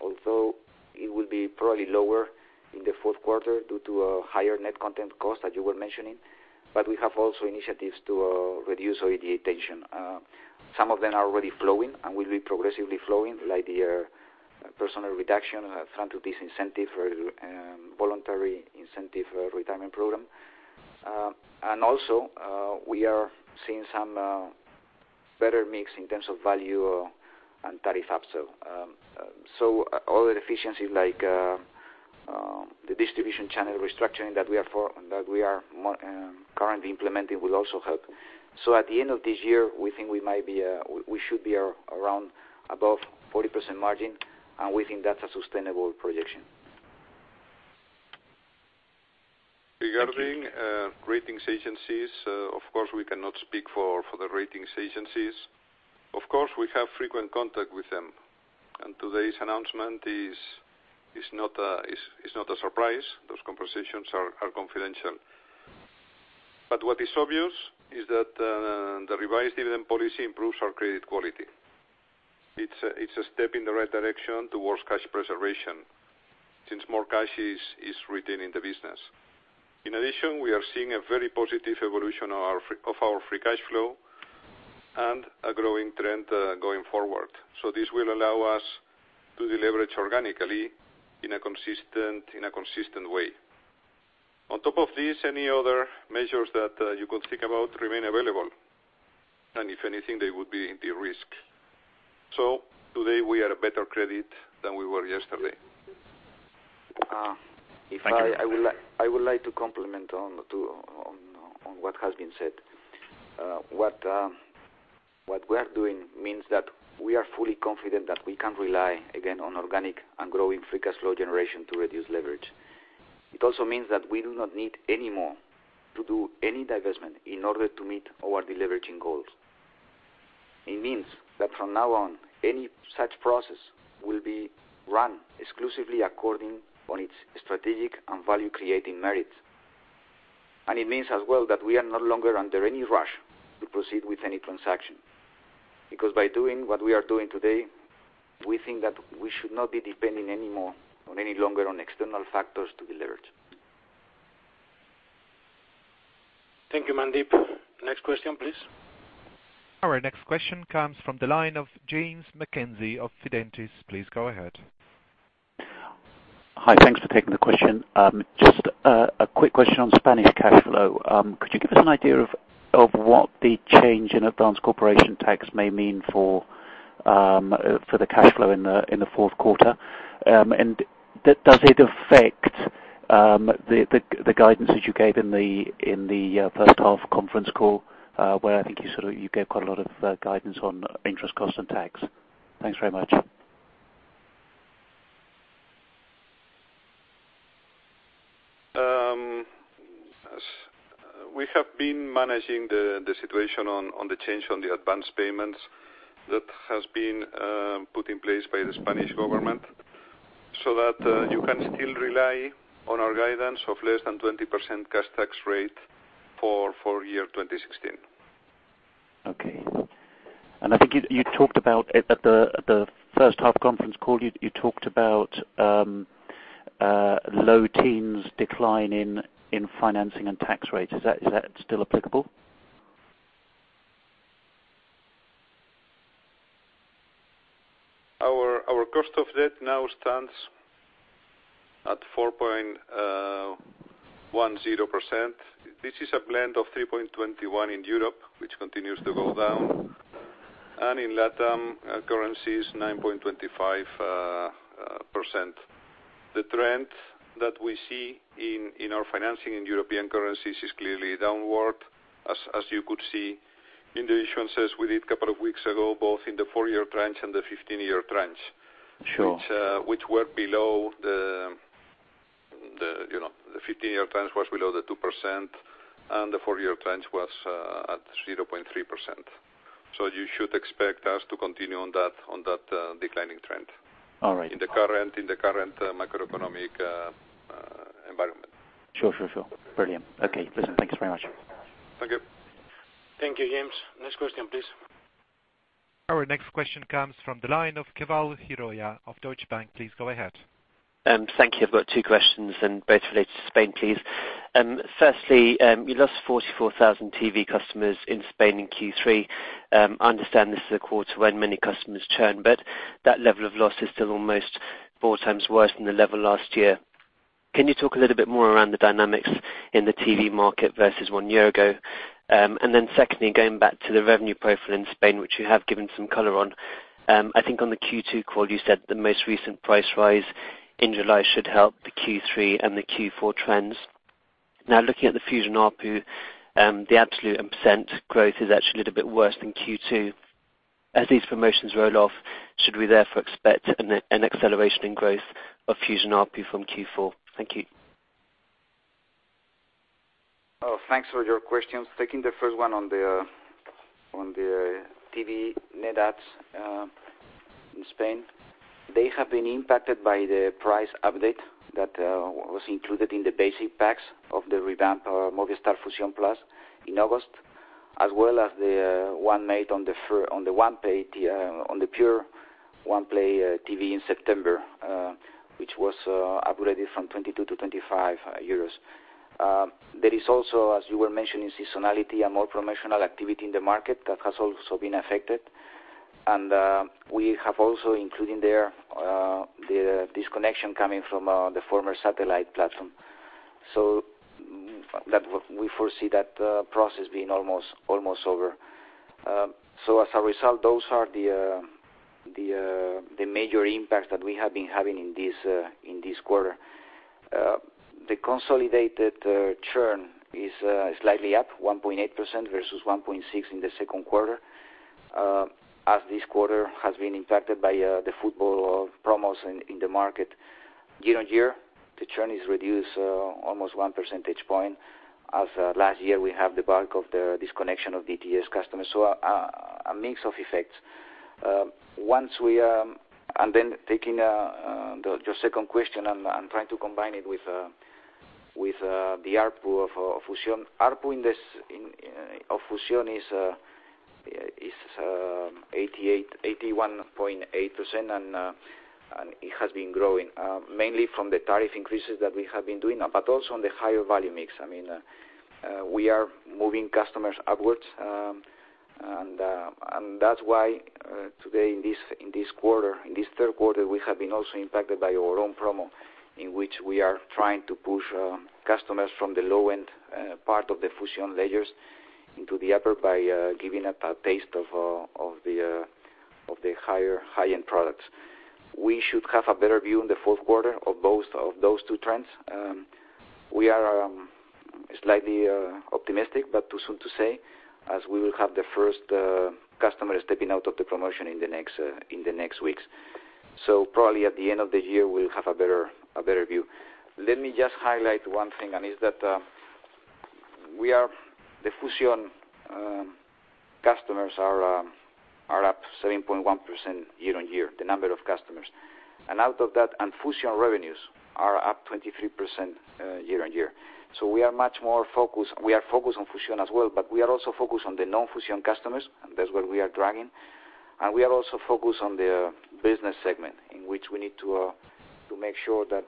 although it will be probably lower in the fourth quarter due to a higher net content cost that you were mentioning. We have also initiatives to reduce OIBDA tension. Some of them are already flowing and will be progressively flowing, like the personnel reduction thanks to this voluntary incentive retirement program. Also, we are seeing some better mix in terms of value and tariff upsell. All the efficiencies like the distribution channel restructuring that we are currently implementing will also help. At the end of this year, we think we should be around above 40% margin, and we think that's a sustainable projection. Regarding ratings agencies, of course, we cannot speak for the ratings agencies. Of course, we have frequent contact with them. Today's announcement is not a surprise. Those conversations are confidential. What is obvious is that the revised dividend policy improves our credit quality. It's a step in the right direction towards cash preservation, since more cash is retained in the business. In addition, we are seeing a very positive evolution of our free cash flow and a growing trend going forward. This will allow us to deleverage organically in a consistent way. On top of this, any other measures that you could think about remain available. If anything, they would be de-risked. Today we are a better credit than we were yesterday. Thank you. I would like to comment on what has been said. What we are doing means that we are fully confident that we can rely again on organic and growing free cash flow generation to reduce leverage. It also means that we do not need any more to do any divestment in order to meet our deleveraging goals. It means that from now on, any such process will be run exclusively according on its strategic and value-creating merits. It means as well that we are no longer under any rush to proceed with any transaction, because by doing what we are doing today, we think that we should not be depending any more on any longer on external factors to deleverage. Thank you, Mandeep. Next question, please. Our next question comes from the line of James Mackenzie of Fidentiis. Please go ahead. Hi. Thanks for taking the question. Just a quick question on Spanish cash flow. Could you give us an idea of what the change in advance corporation tax may mean for the cash flow in the fourth quarter? Does it affect the guidance that you gave in the first half conference call, where I think you gave quite a lot of guidance on interest cost and tax. Thanks very much. We have been managing the situation on the change on the advance payments that has been put in place by the Spanish government, so that you can still rely on our guidance of less than 20% cash tax rate for year 2016. Okay. I think at the first half conference call, you talked about low teens decline in financing and tax rates. Is that still applicable? Our cost of debt now stands at 4.10%. This is a blend of 3.21% in Europe, which continues to go down, and in LATAM currencies, 9.25%. The trend that we see in our financing in European currencies is clearly downward, as you could see in the issuances we did couple of weeks ago, both in the four-year tranche and the 15-year tranche. Sure. Which were below the 15-year tranche was below the 2%, and the four-year tranche was at 0.3%. You should expect us to continue on that declining trend. All right. In the current macroeconomic environment. Sure. Brilliant. Okay. Listen, thanks very much. Thank you. Thank you, James. Next question, please. Our next question comes from the line of Keval Khiroya of Deutsche Bank. Please go ahead. Thank you. I've got two questions and both related to Spain, please. Firstly, you lost 44,000 TV customers in Spain in Q3. I understand this is a quarter when many customers churn, but that level of loss is still almost four times worse than the level last year. Can you talk a little bit more around the dynamics in the TV market versus one year ago? Secondly, going back to the revenue profile in Spain, which you have given some color on. I think on the Q2 call, you said the most recent price rise in July should help the Q3 and the Q4 trends. Now looking at the Fusión ARPU, the absolute and % growth is actually a little bit worse than Q2. As these promotions roll off, should we therefore expect an acceleration in growth of Fusión ARPU from Q4? Thank you. Thanks for your questions. Taking the first one on the TV net adds in Spain. They have been impacted by the price update that was included in the basic packs of the revamped Movistar Fusión+ in August, as well as the one made on the pure OnePlay TV in September, which was upgraded from 22 to 25 euros. There is also, as you were mentioning, seasonality and more promotional activity in the market that has also been affected. We have also included there, the disconnection coming from the former satellite platform. We foresee that process being almost over. As a result, those are the major impacts that we have been having in this quarter. The consolidated churn is slightly up 1.8% versus 1.6% in the second quarter, as this quarter has been impacted by the football promos in the market. Year-on-year, the churn is reduced almost one percentage point. As last year, we have the bulk of the disconnection of DTS customers. A mix of effects. Taking your second question, I am trying to combine it with the ARPU of Fusión. ARPU of Fusión is 81.8, and it has been growing, mainly from the tariff increases that we have been doing, but also on the higher value mix. We are moving customers upwards, and that is why today, in this third quarter, we have been also impacted by our own promo, in which we are trying to push customers from the low-end part of the Fusión layers into the upper by giving a taste of the high-end products. We should have a better view in the fourth quarter of both of those two trends. We are Slightly optimistic, but too soon to say, as we will have the first customer stepping out of the promotion in the next weeks. Probably at the end of the year, we will have a better view. Let me just highlight one thing, and it is that the Fusión customers are up 7.1% year-on-year, the number of customers. Out of that, Fusión revenues are up 23% year-on-year. We are focused on Fusión as well, but we are also focused on the non-Fusión customers, and that is where we are dragging. We are also focused on the business segment, in which we need to make sure that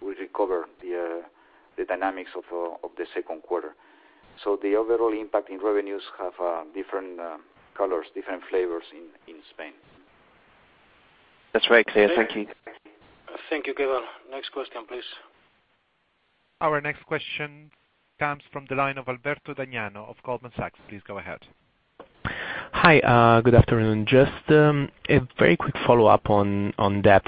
we recover the dynamics of the second quarter. The overall impact in revenues have different colors, different flavors in Spain. That is very clear. Thank you. Thank you, Keval. Next question, please. Our next question comes from the line of Alberto Dagiano of Goldman Sachs. Please go ahead. Hi. Good afternoon. Just a very quick follow-up on debt.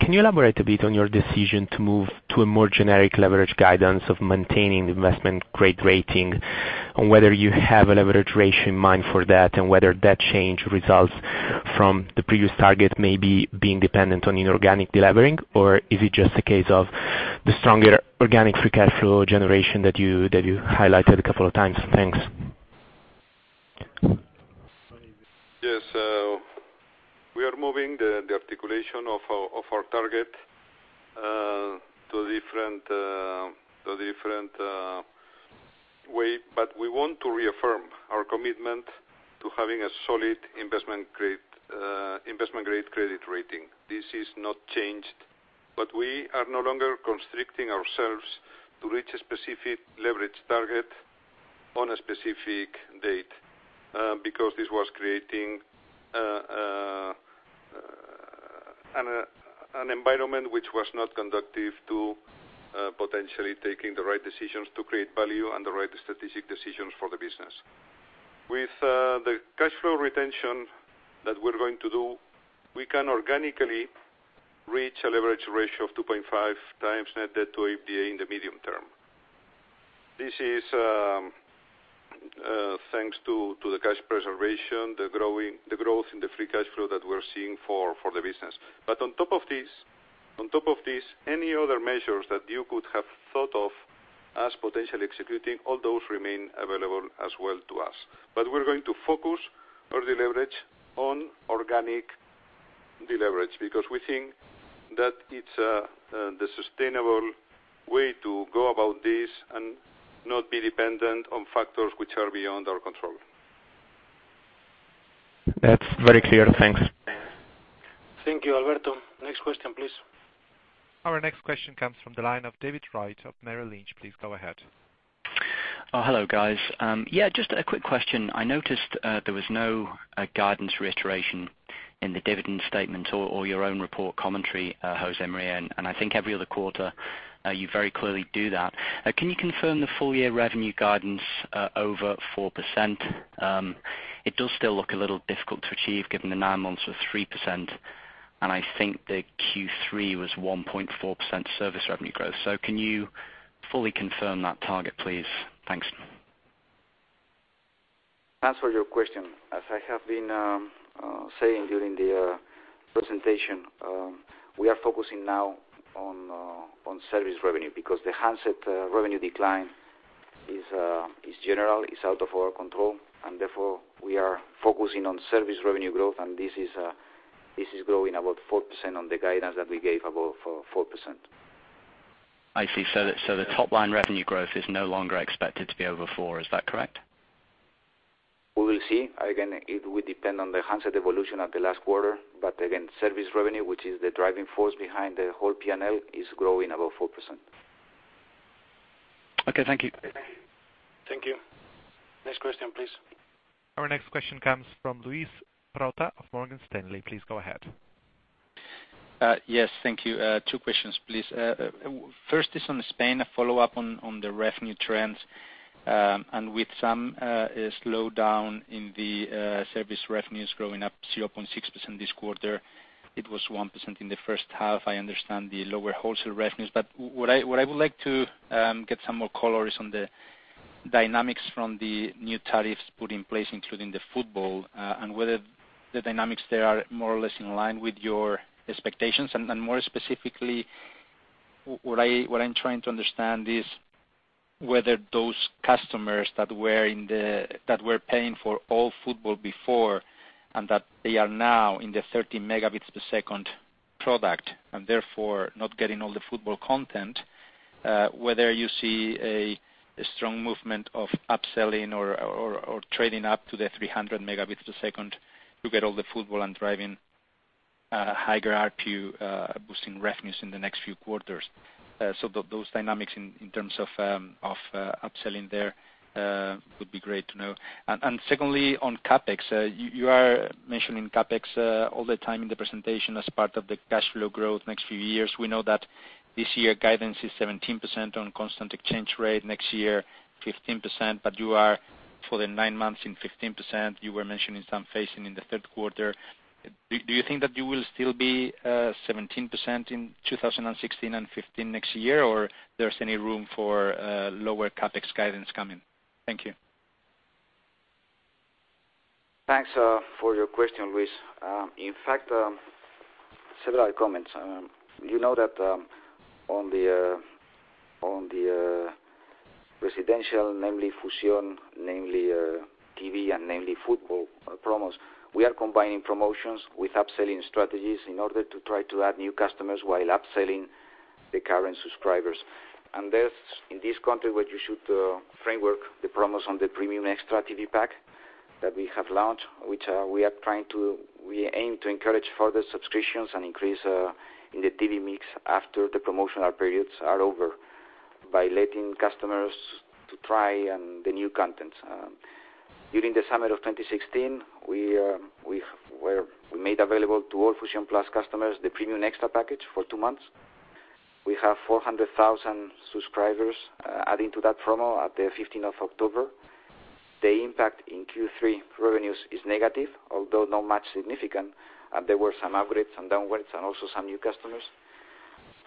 Can you elaborate a bit on your decision to move to a more generic leverage guidance of maintaining the investment-grade rating, on whether you have a leverage ratio in mind for that, and whether that change results from the previous target maybe being dependent on inorganic delevering? Is it just a case of the stronger organic free cash flow generation that you highlighted a couple of times? Thanks. Yes. We are moving the articulation of our target to a different way. We want to reaffirm our commitment to having a solid investment-grade credit rating. This is not changed, but we are no longer constricting ourselves to reach a specific leverage target on a specific date, because this was creating an environment which was not conducive to potentially taking the right decisions to create value and the right strategic decisions for the business. With the cash flow retention that we're going to do, we can organically reach a leverage ratio of 2.5 times net debt to EBITDA in the medium term. This is thanks to the cash preservation, the growth in the free cash flow that we're seeing for the business. On top of this, any other measures that you could have thought of as potentially executing, all those remain available as well to us. We're going to focus our leverage on organic deleveraging, because we think that it's the sustainable way to go about this and not be dependent on factors which are beyond our control. That's very clear. Thanks. Thank you, Alberto. Next question, please. Our next question comes from the line of David Wright of Merrill Lynch. Please go ahead. Hello guys. Just a quick question. I noticed there was no guidance reiteration in the dividend statement or your own report commentary, José María. I think every other quarter you very clearly do that. Can you confirm the full-year revenue guidance over 4%? It does still look a little difficult to achieve given the nine months of 3%. I think the Q3 was 1.4% service revenue growth. Can you fully confirm that target, please? Thanks. Answer your question. As I have been saying during the presentation, we are focusing now on service revenue because the handset revenue decline is general. It's out of our control, therefore we are focusing on service revenue growth, and this is growing about 4% on the guidance that we gave above 4%. I see. The top-line revenue growth is no longer expected to be over 4%, is that correct? We will see. Again, it will depend on the handset evolution at the last quarter. Again, service revenue, which is the driving force behind the whole P&L, is growing above 4%. Okay. Thank you. Thank you. Next question please. Our next question comes from Luis Rota of Morgan Stanley. Please go ahead. Yes. Thank you. Two questions please. First is on Spain, a follow-up on the revenue trends, and with some slowdown in the service revenues growing up 0.6% this quarter. It was 1% in the first half. I understand the lower wholesale revenues, but what I would like to get some more color is on the dynamics from the new tariffs put in place, including the football, and whether the dynamics there are more or less in line with your expectations. More specifically, what I'm trying to understand is whether those customers that were paying for all football before, and that they are now in the 30 megabits per second product, and therefore not getting all the football content, whether you see a strong movement of upselling or trading up to the 300 megabits per second to get all the football and driving a higher RPU, boosting revenues in the next few quarters. Those dynamics in terms of upselling there would be great to know. Secondly, on CapEx, you are mentioning CapEx all the time in the presentation as part of the cash flow growth next few years. We know that this year guidance is 17% on constant exchange rate, next year 15%. For the nine months in 15%, you were mentioning some phasing in the third quarter. Do you think that you will still be 17% in 2016 and 2015 next year, or there's any room for lower CapEx guidance coming? Thank you. Thanks for your question, Luis. In fact, several comments. You know that on the residential, namely Fusión, namely TV, and namely football promos, we are combining promotions with upselling strategies in order to try to add new customers while upselling the current subscribers. Thus, in this context, what you should framework the promos on the premium extra TV pack that we have launched, which we aim to encourage further subscriptions and increase in the TV mix after the promotional periods are over by letting customers to try the new contents. During the summer of 2016, we made available to all Fusión+ customers the premium extra package for two months. We have 400,000 subscribers adding to that promo at the 15th of October. The impact in Q3 revenues is negative, although not much significant. There were some upgrades, some downwards, also some new customers.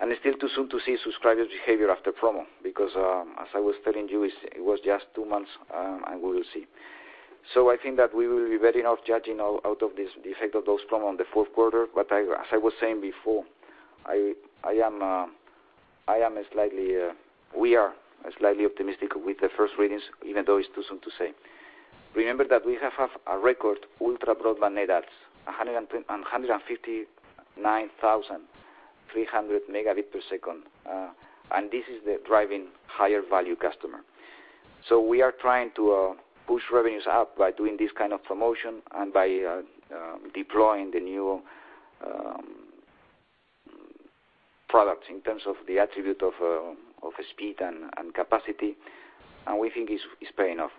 It's still too soon to see subscribers' behavior after promo, because, as I was telling you, it was just two months, and we will see. I think that we will be ready enough judging out of this effect of those promo on the fourth quarter. As I was saying before, we are slightly optimistic with the first readings, even though it's too soon to say. Remember that we have a record ultra-broadband adders, 159,300 megabit per second. This is the driving higher value customer. We are trying to push revenues up by doing this kind of promotion and by deploying the new products in terms of the attribute of speed and capacity. We think it's paying off.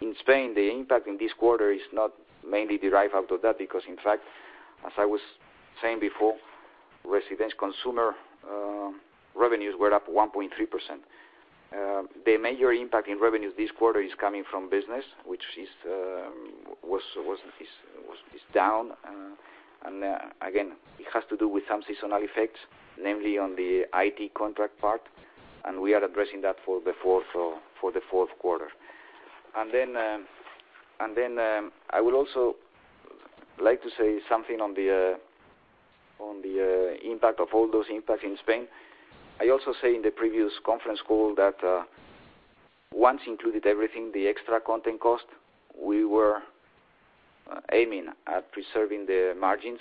In Spain, the impact in this quarter is not mainly derived out of that, because in fact, as I was saying before, residential consumer revenues were up 1.3%. The major impact in revenues this quarter is coming from business, which is down. Again, it has to do with some seasonal effects, namely on the IT contract part, and we are addressing that for the fourth quarter. Then, I would also like to say something on the impact of all those impacts in Spain. I also say in the previous conference call that once included everything, the extra content cost, we were aiming at preserving the margins,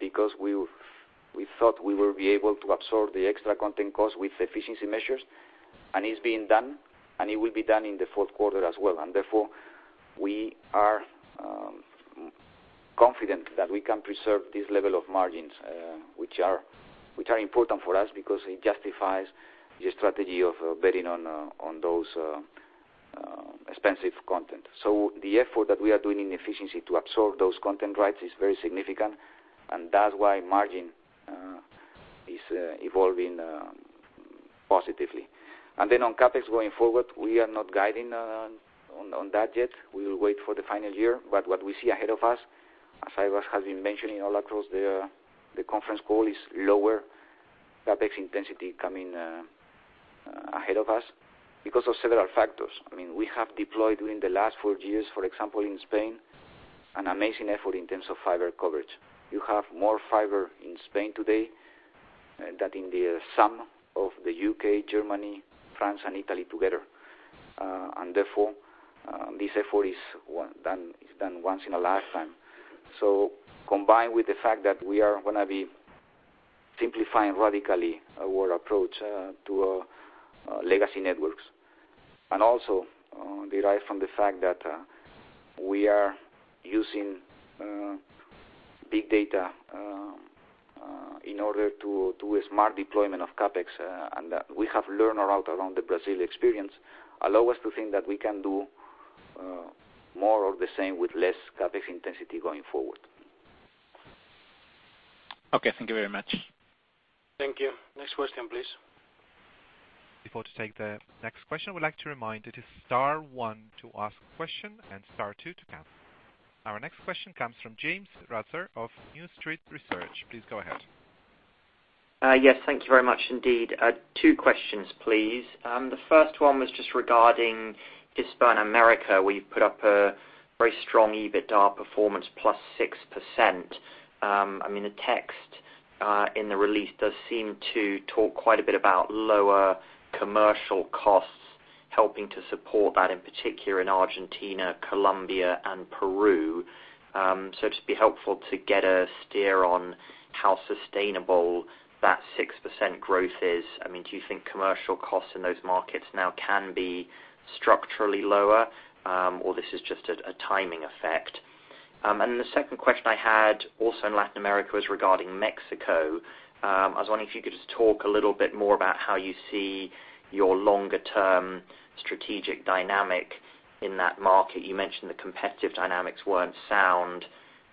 because we thought we would be able to absorb the extra content cost with efficiency measures, and it's being done, and it will be done in the fourth quarter as well. Therefore, we are confident that we can preserve this level of margins, which are important for us because it justifies the strategy of betting on those expensive content. The effort that we are doing in efficiency to absorb those content rights is very significant, and that's why margin is evolving positively. On CapEx going forward, we are not guiding on that yet. We will wait for the final year, but what we see ahead of us, as I have been mentioning all across the conference call, is lower CapEx intensity coming ahead of us because of several factors. We have deployed during the last four years, for example, in Spain, an amazing effort in terms of fiber coverage. You have more fiber in Spain today than in the sum of the U.K., Germany, France, and Italy together. Therefore, this effort is done once in a lifetime. Combined with the fact that we are going to be simplifying radically our approach to legacy networks, and also derived from the fact that we are using big data in order to a smart deployment of CapEx. We have learned a lot around the Brazil experience, allow us to think that we can do more of the same with less CapEx intensity going forward. Okay. Thank you very much. Thank you. Next question, please. Before to take the next question, we'd like to remind it is star one to ask question and star two to cancel. Our next question comes from James Ratzer of New Street Research. Please go ahead. Yes, thank you very much indeed. Two questions, please. The first one was just regarding Hispanoamérica, where you put up a very strong EBITDA performance, plus 6%. The text in the release does seem to talk quite a bit about lower commercial costs helping to support that, in particular in Argentina, Colombia, and Peru. It'd be helpful to get a steer on how sustainable that 6% growth is. Do you think commercial costs in those markets now can be structurally lower? This is just a timing effect? The second question I had, also in Latin America, is regarding Mexico. I was wondering if you could just talk a little bit more about how you see your longer-term strategic dynamic in that market. You mentioned the competitive dynamics weren't sound,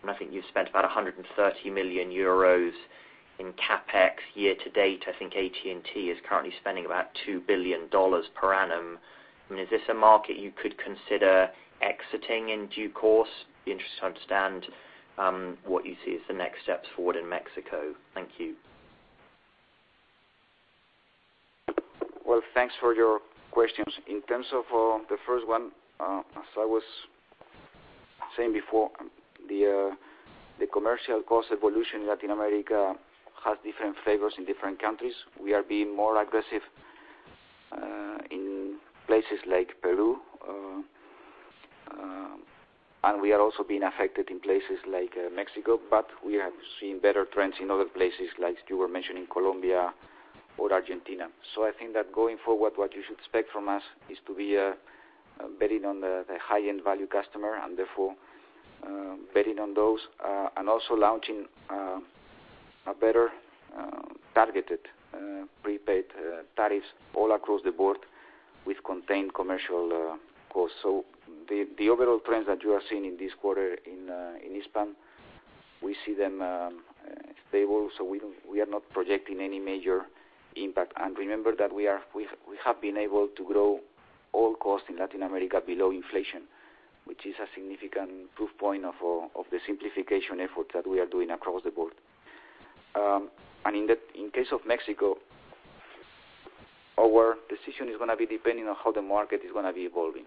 and I think you spent about 130 million euros in CapEx year to date. I think AT&T is currently spending about $2 billion per annum. Is this a market you could consider exiting in due course? Interested to understand what you see as the next steps forward in Mexico. Thank you. Well, thanks for your questions. In terms of the first one, as I was saying before, the commercial cost evolution in Latin America has different flavors in different countries. We are being more aggressive in places like Peru. We are also being affected in places like Mexico, but we have seen better trends in other places, like you were mentioning Colombia or Argentina. I think that going forward, what you should expect from us is to be betting on the high-end value customer, and therefore, betting on those, and also launching a better-targeted prepaid tariffs all across the board with contained commercial costs. The overall trends that you are seeing in this quarter in Hispam, we see them stable. We are not projecting any major impact. Remember that we have been able to grow all costs in Latin America below inflation, which is a significant proof point of the simplification effort that we are doing across the board. In case of Mexico, our decision is going to be depending on how the market is going to be evolving.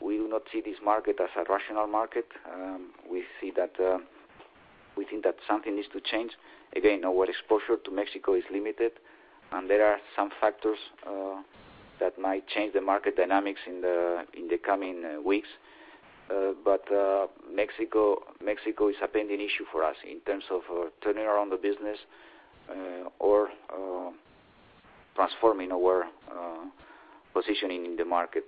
We do not see this market as a rational market. We think that something needs to change. Again, our exposure to Mexico is limited, and there are some factors that might change the market dynamics in the coming weeks. Mexico is a pending issue for us in terms of turning around the business or transforming our positioning in the market.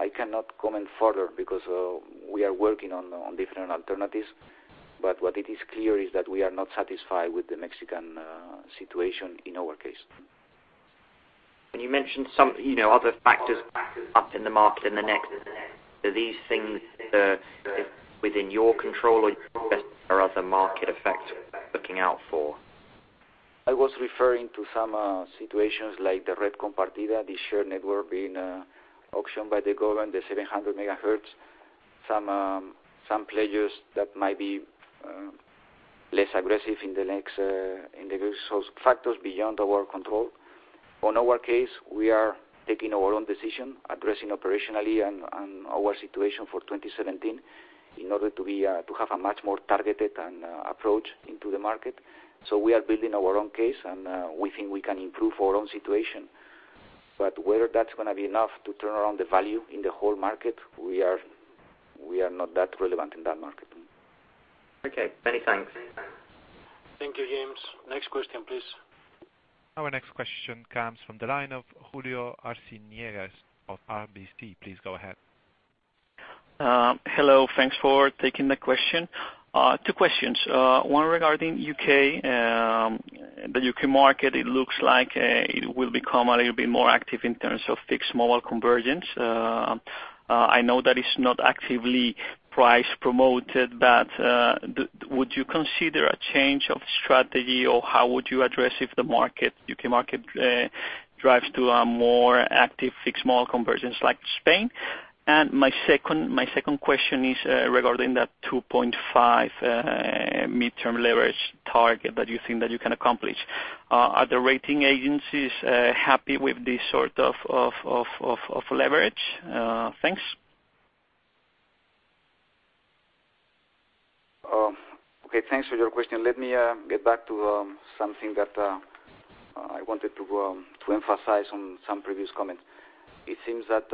I cannot comment further because we are working on different alternatives. What it is clear is that we are not satisfied with the Mexican situation in our case. You mentioned some other factors up in the market in the next. Are these things within your control or your investment or are they market effects looking out for? I was referring to some situations like the Red Compartida, the shared network being auctioned by the government, the 700 MHz. Some players that might be less aggressive in the next individual factors beyond our control. On our case, we are taking our own decision, addressing operationally and our situation for 2017 in order to have a much more targeted approach into the market. We are building our own case, and we think we can improve our own situation. Whether that's going to be enough to turn around the value in the whole market, we are not that relevant in that market. Okay. Many thanks. Thank you, James. Next question, please. Our next question comes from the line of Julio Arciniegas of RBC. Please go ahead. Hello. Thanks for taking the question. Two questions. One regarding U.K. The U.K. market, it looks like it will become a little bit more active in terms of fixed mobile convergence. I know that it's not actively price promoted, but would you consider a change of strategy or how would you address if the U.K. market drives to a more active fixed mobile convergence like Spain? My second question is regarding that 2.5 midterm leverage target that you think that you can accomplish. Are the rating agencies happy with this sort of leverage? Thanks. Okay, thanks for your question. Let me get back to something that I wanted to emphasize on some previous comments. It seems that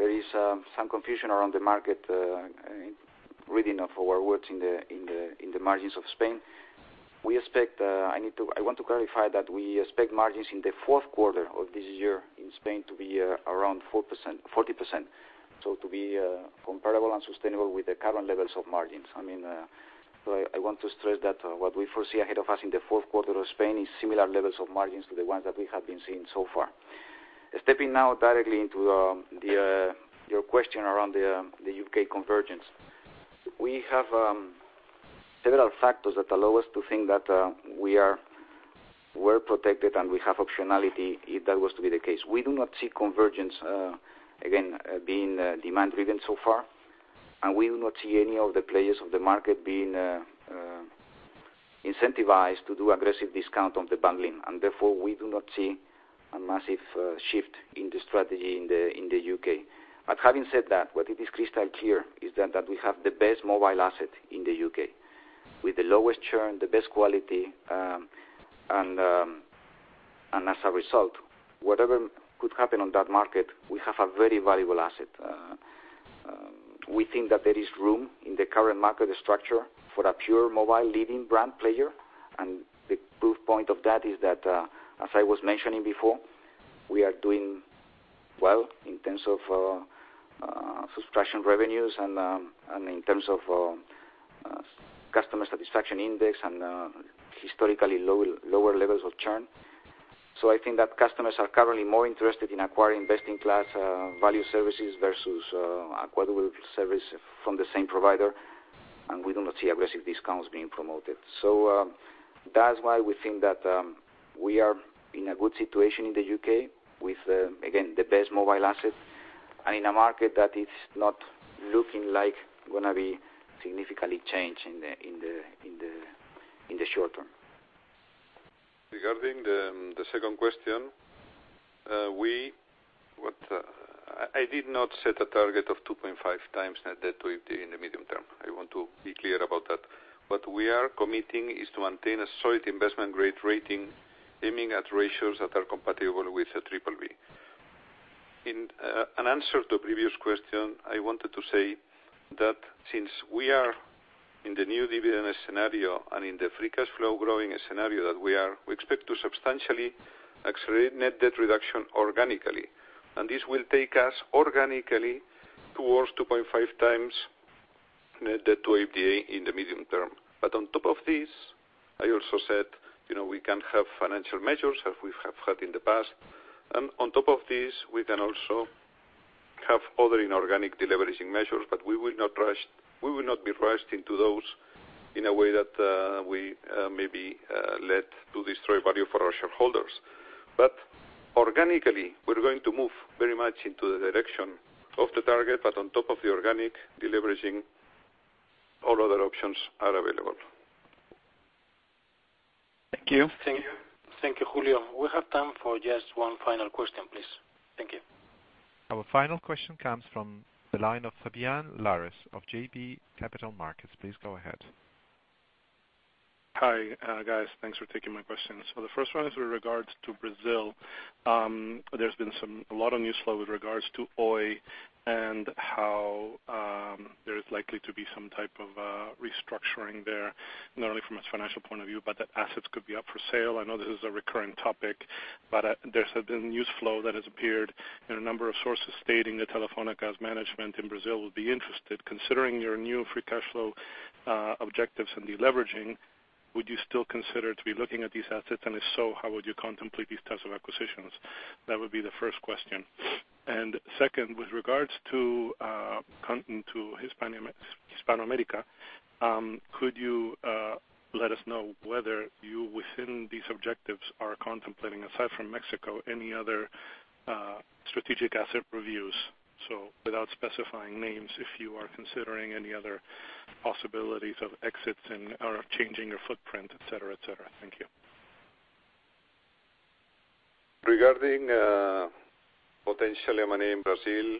there is some confusion around the market reading of our works in the margins of Spain. I want to clarify that we expect margins in the fourth quarter of this year in Spain to be around 40%. To be comparable and sustainable with the current levels of margins. I want to stress that what we foresee ahead of us in the fourth quarter of Spain is similar levels of margins to the ones that we have been seeing so far. Stepping now directly into your question around the U.K. convergence. We have several factors that allow us to think that we're protected, and we have optionality if that was to be the case. We do not see convergence, again, being demand-driven so far. We do not see any of the players of the market being incentivized to do aggressive discount on the bundling, and therefore, we do not see a massive shift in the strategy in the U.K. Having said that, what it is crystal clear is that we have the best mobile asset in the U.K. with the lowest churn, the best quality, and as a result, whatever could happen on that market, we have a very valuable asset. We think that there is room in the current market structure for a pure mobile leading brand player. The proof point of that is that, as I was mentioning before, we are doing well in terms of subscription revenues and in terms of customer satisfaction index and historically lower levels of churn. I think that customers are currently more interested in acquiring best-in-class value services versus acquiring service from the same provider. We do not see aggressive discounts being promoted. That's why we think that we are in a good situation in the U.K. with, again, the best mobile asset and in a market that is not looking like going to be significantly changed in the short term. Regarding the second question, I did not set a target of 2.5 times net debt to EBITDA in the medium term. I want to be clear about that. What we are committing is to maintain a solid investment-grade rating, aiming at ratios that are compatible with a BBB. In an answer to a previous question, I wanted to say that since we are in the new dividend scenario and in the free cash flow growing scenario that we are, we expect to substantially accelerate net debt reduction organically. This will take us organically towards 2.5 times net debt to EBITDA in the medium term. On top of this, I also said we can have financial measures as we have had in the past. On top of this, we can also have other inorganic deleveraging measures. We will not be rushed into those in a way that we maybe led to destroy value for our shareholders. Organically, we're going to move very much into the direction of the target, but on top of the organic deleveraging, all other options are available. Thank you. Thank you. Thank you, Julio. We have time for just one final question, please. Thank you. Our final question comes from the line of Fabián Lares of JB Capital Markets. Please go ahead. Hi, guys. Thanks for taking my questions. The first one is with regards to Brazil. There's been a lot of news flow with regards to Oi and how there is likely to be some type of restructuring there, not only from a financial point of view, but that assets could be up for sale. I know this is a recurring topic, but there's been news flow that has appeared in a number of sources stating that Telefónica's management in Brazil would be interested. Considering your new free cash flow objectives and deleveraging, would you still consider to be looking at these assets? If so, how would you contemplate these types of acquisitions? That would be the first question. Second, with regards to Hispanoamérica, could you let us know whether you, within these objectives, are contemplating, aside from Mexico, any other strategic asset reviews? Without specifying names, if you are considering any other possibilities of exits or changing your footprint, et cetera. Thank you. Regarding potential M&A in Brazil,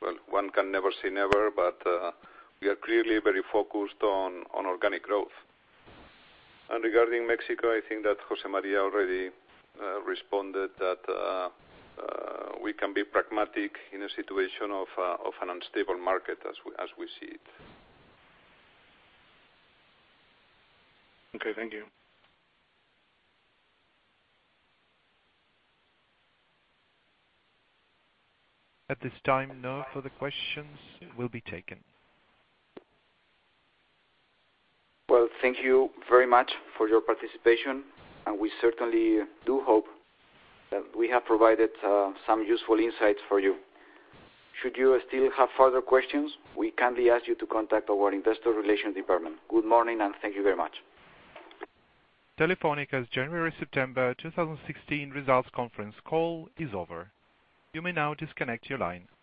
well, one can never say never, but we are clearly very focused on organic growth. Regarding Mexico, I think that José María already responded that we can be pragmatic in a situation of an unstable market as we see it. Okay, thank you. At this time, no further questions will be taken. Well, thank you very much for your participation, and we certainly do hope that we have provided some useful insights for you. Should you still have further questions, we kindly ask you to contact our Investor Relations department. Good morning, and thank you very much. Telefónica's January-September 2016 results conference call is over. You may now disconnect your line.